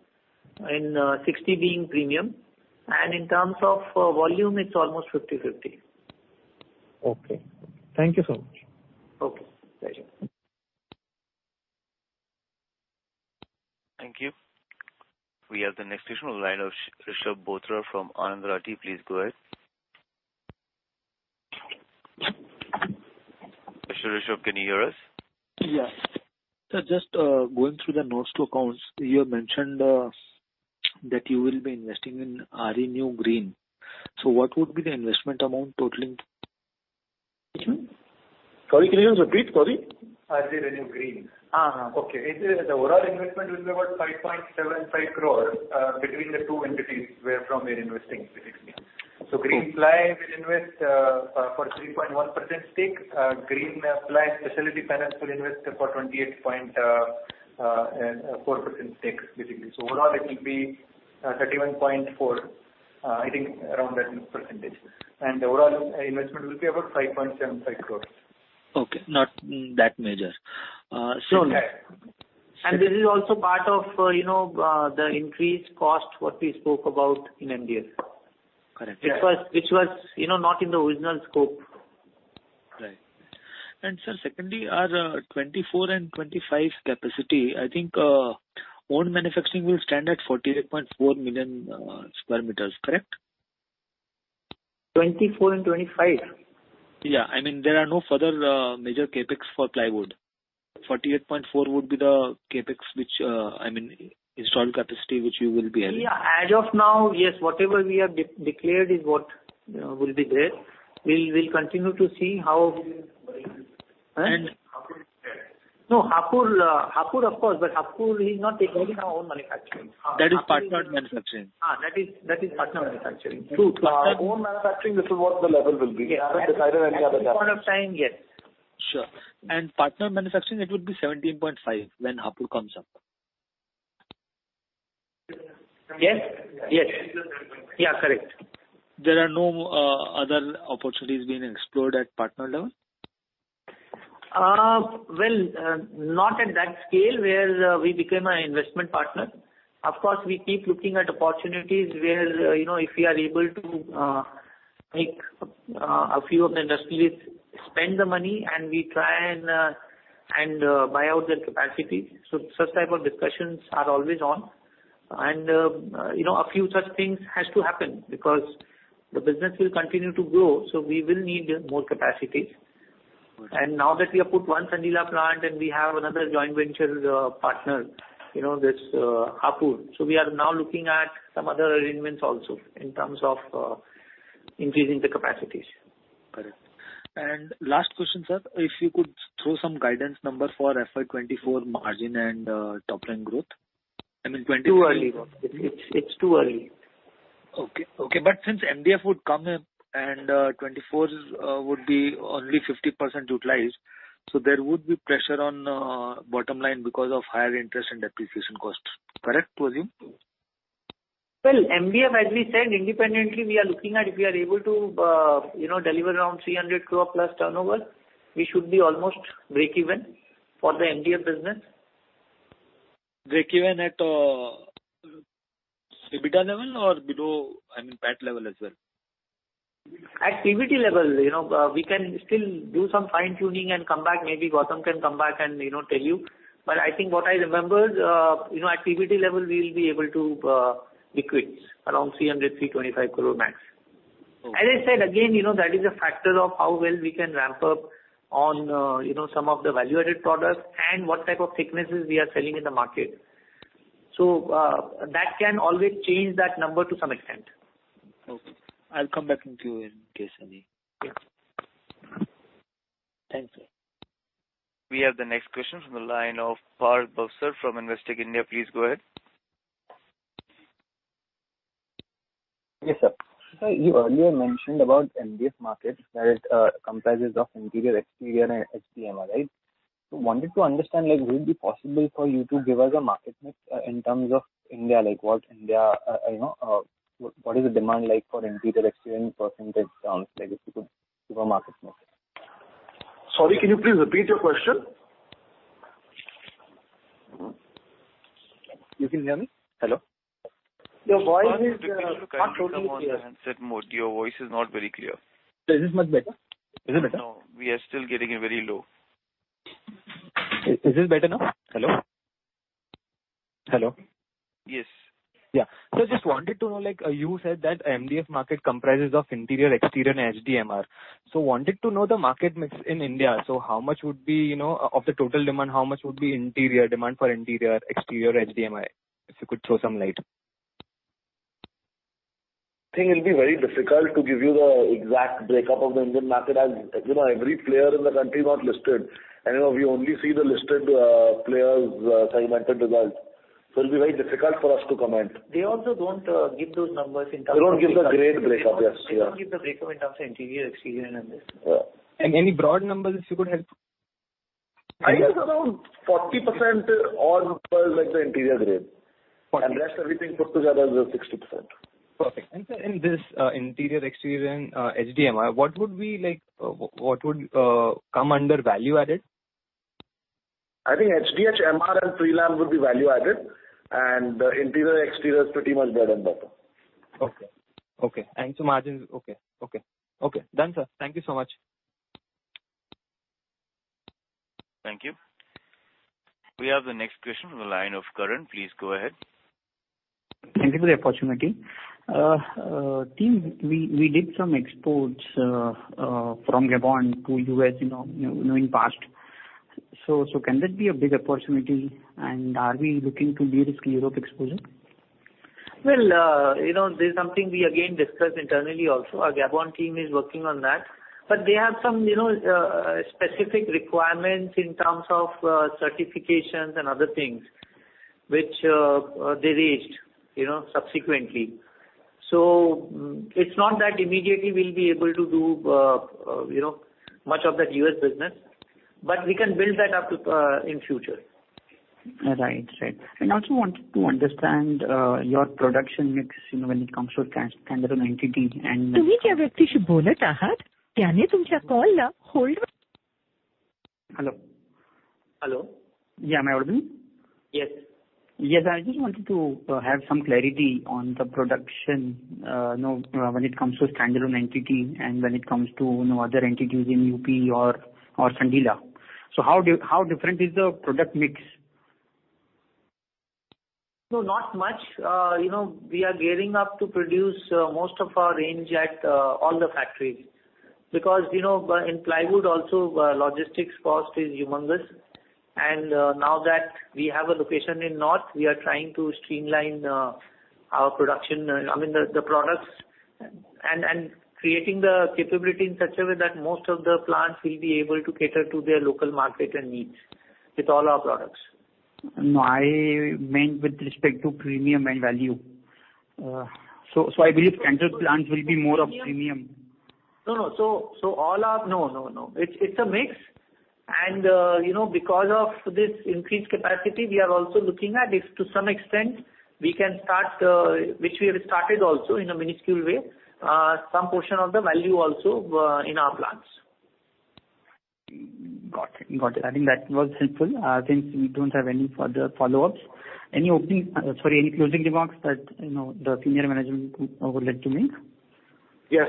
and 60 being premium, and in terms of volume, it's almost 50/50. Okay. Thank you so much. Okay, thank you. Thank you. We have the next question on the line of Rishab Bothra from Anand Rathi. Please go ahead. Rishab, can you hear us? Yes. So just going through the notes to accounts, you have mentioned that you will be investing in Renew Green. So what would be the investment amount totaling? Sorry, can you just repeat? Sorry. Renew Green. Okay. It is the overall investment will be about 5.75 crore between the two entities wherefrom we are investing, basically. Okay. So Greenply will invest for 3.1% stake. Greenply Facility Partners will invest for 28.4% stake, basically. So overall it will be 31.4%, I think around that percentage. And the overall investment will be about 5.75 crore. Okay, not that major. So- This is also part of, you know, the increased cost, what we spoke about in MDF. Correct. Which was, you know, not in the original scope. Right. And sir, secondly, our 2024 and 2025 capacity, I think, own manufacturing will stand at 48.4 million sq m, correct? 2024 and 2025? Yeah. I mean, there are no further major CapEx for plywood. 48.4 million sq m would be the CapEx, which, I mean, installed capacity, which you will be having. Yeah, as of now, yes, whatever we have declared is what will be there. We'll continue to see how- Hapur is there. No, Hapur, of course, but Hapur is not taking our own manufacturing. That is partner manufacturing. That is partner manufacturing. Our own manufacturing, this is what the level will be. We haven't decided any other- At this point of time, yes. Sure. And partner manufacturing, it would be 17.5% when Hapur comes up? Yes. Yes. Yes. Yeah, correct. There are no, other opportunities being explored at partner level? Well, not at that scale, where we become an investment partner. Of course, we keep looking at opportunities where, you know, if we are able to make a few of the industrialists spend the money and we try and buy out their capacity. So such type of discussions are always on. And, you know, a few such things has to happen because the business will continue to grow, so we will need more capacities. Got it. Now that we have put one Sandila plant and we have another joint venture, partner, you know, this, Hapur. We are now looking at some other arrangements also in terms of increasing the capacities. Correct. Last question, sir. If you could throw some guidance numbers for FY 2024 margin and top line growth. I mean, twenty- Too early. It's too early. Okay, okay. But since MDF would come in and 2024's would be only 50% utilized, so there would be pressure on bottom line because of higher interest and depreciation costs. Correct to assume? Well, MDF, as we said, independently, we are looking at if we are able to, you know, deliver around 300 crore plus turnover, we should be almost breakeven for the MDF business. Breakeven at EBITDA level or below, I mean, PAT level as well? At PBT level, you know, we can still do some fine-tuning and come back. Maybe Gautam can come back and, you know, tell you, but I think what I remember is, you know, at PBT level, we will be able to, equate around 300 crore-325 crore max. Okay. As I said again, you know, that is a factor of how well we can ramp up on, you know, some of the value-added products and what type of thicknesses we are selling in the market. So, that can always change that number to some extent. Okay. I'll come back to you in case any. Yes. Thank you. We have the next question from the line of Parth Bhavsar from Investec India. Please go ahead. Yes, sir. Sir, you earlier mentioned about MDF markets, that it comprises of interior, exterior, and HDHMR, right? So wanted to understand, like, would it be possible for you to give us a market mix in terms of India? Like, what India, you know, w-what is the demand like for interior, exterior, in percentage terms, like, if you could give a market mix. Sorry, can you please repeat your question? You can hear me? Hello? Your voice is not totally clear. Can you come on the handset mode? Your voice is not very clear. Is this much better? Is it better? No, we are still getting it very low. Is this better now? Hello? Hello. Yes. Yeah. So just wanted to know, like, you said that MDF market comprises of interior, exterior, and HDMR. So wanted to know the market mix in India. So how much would be, you know, of the total demand, how much would be interior demand for interior, exterior, HDMR? If you could throw some light. I think it'll be very difficult to give you the exact breakup of the Indian market, as, you know, every player in the country is not listed. And, you know, we only see the listed, players', segmented results. So it'll be very difficult for us to comment. They also don't give those numbers in terms of- They don't give the grade breakup, yes. They don't give the breakup in terms of interior, exterior, and MDF. Yeah. Any broad numbers you could help? I think it's around 40% or above, like, the interior grade. 40%. Rest everything put together is 60%. Perfect. And sir, in this interior, exterior, and HDMR, what would be like... What would come under value-added? I think HDHMR and Prelam would be value-added, and interior, exterior is pretty much bed and bathroom. Okay. Okay, and so margins, okay, okay. Okay, done, sir. Thank you so much. Thank you. We have the next question on the line of Karan. Please go ahead. Thank you for the opportunity. Team, we did some exports from Gabon to U.S., you know, in past. So, can that be a big opportunity, and are we looking to de-risk Europe exposure? Well, you know, this is something we again discussed internally also. Our Gabon team is working on that. But they have some, you know, specific requirements in terms of certifications and other things, which they raised, you know, subsequently. So it's not that immediately we'll be able to do, you know, much of that U.S. business, but we can build that up to in future. Right. Right. I also wanted to understand your production mix, you know, when it comes to standalone entity and - Hello? Hello. Yeah, am I audible? Yes. Yes, I just wanted to have some clarity on the production, you know, when it comes to standalone entity and when it comes to, you know, other entities in U.P. or Sandila. So how different is the product mix? No, not much. You know, we are gearing up to produce most of our range at all the factories. Because, you know, in plywood also, logistics cost is humongous. And, now that we have a location in north, we are trying to streamline our production, I mean, the products, and creating the capability in such a way that most of the plants will be able to cater to their local market and needs, with all our products. No, I meant with respect to premium and value. So, I believe Sandila plant will be more of premium. No, no. So all our... No, no, no. It's a mix. And, you know, because of this increased capacity, we are also looking at if, to some extent, we can start, which we have started also in a minuscule way, some portion of the value also, in our plants. Got it. Got it. I think that was helpful. Since we don't have any further follow-ups, any opening, sorry, any closing remarks that, you know, the senior management would like to make? Yes,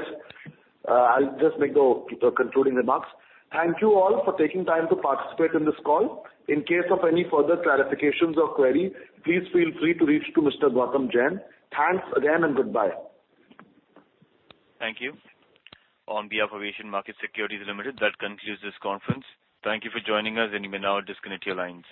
I'll just make the concluding remarks. Thank you all for taking time to participate in this call. In case of any further clarifications or query, please feel free to reach to Mr. Gautam Jain. Thanks again, and goodbye. Thank you. On behalf of Asian Markets Securities Pvt Ltd, that concludes this conference. Thank you for joining us, and you may now disconnect your lines.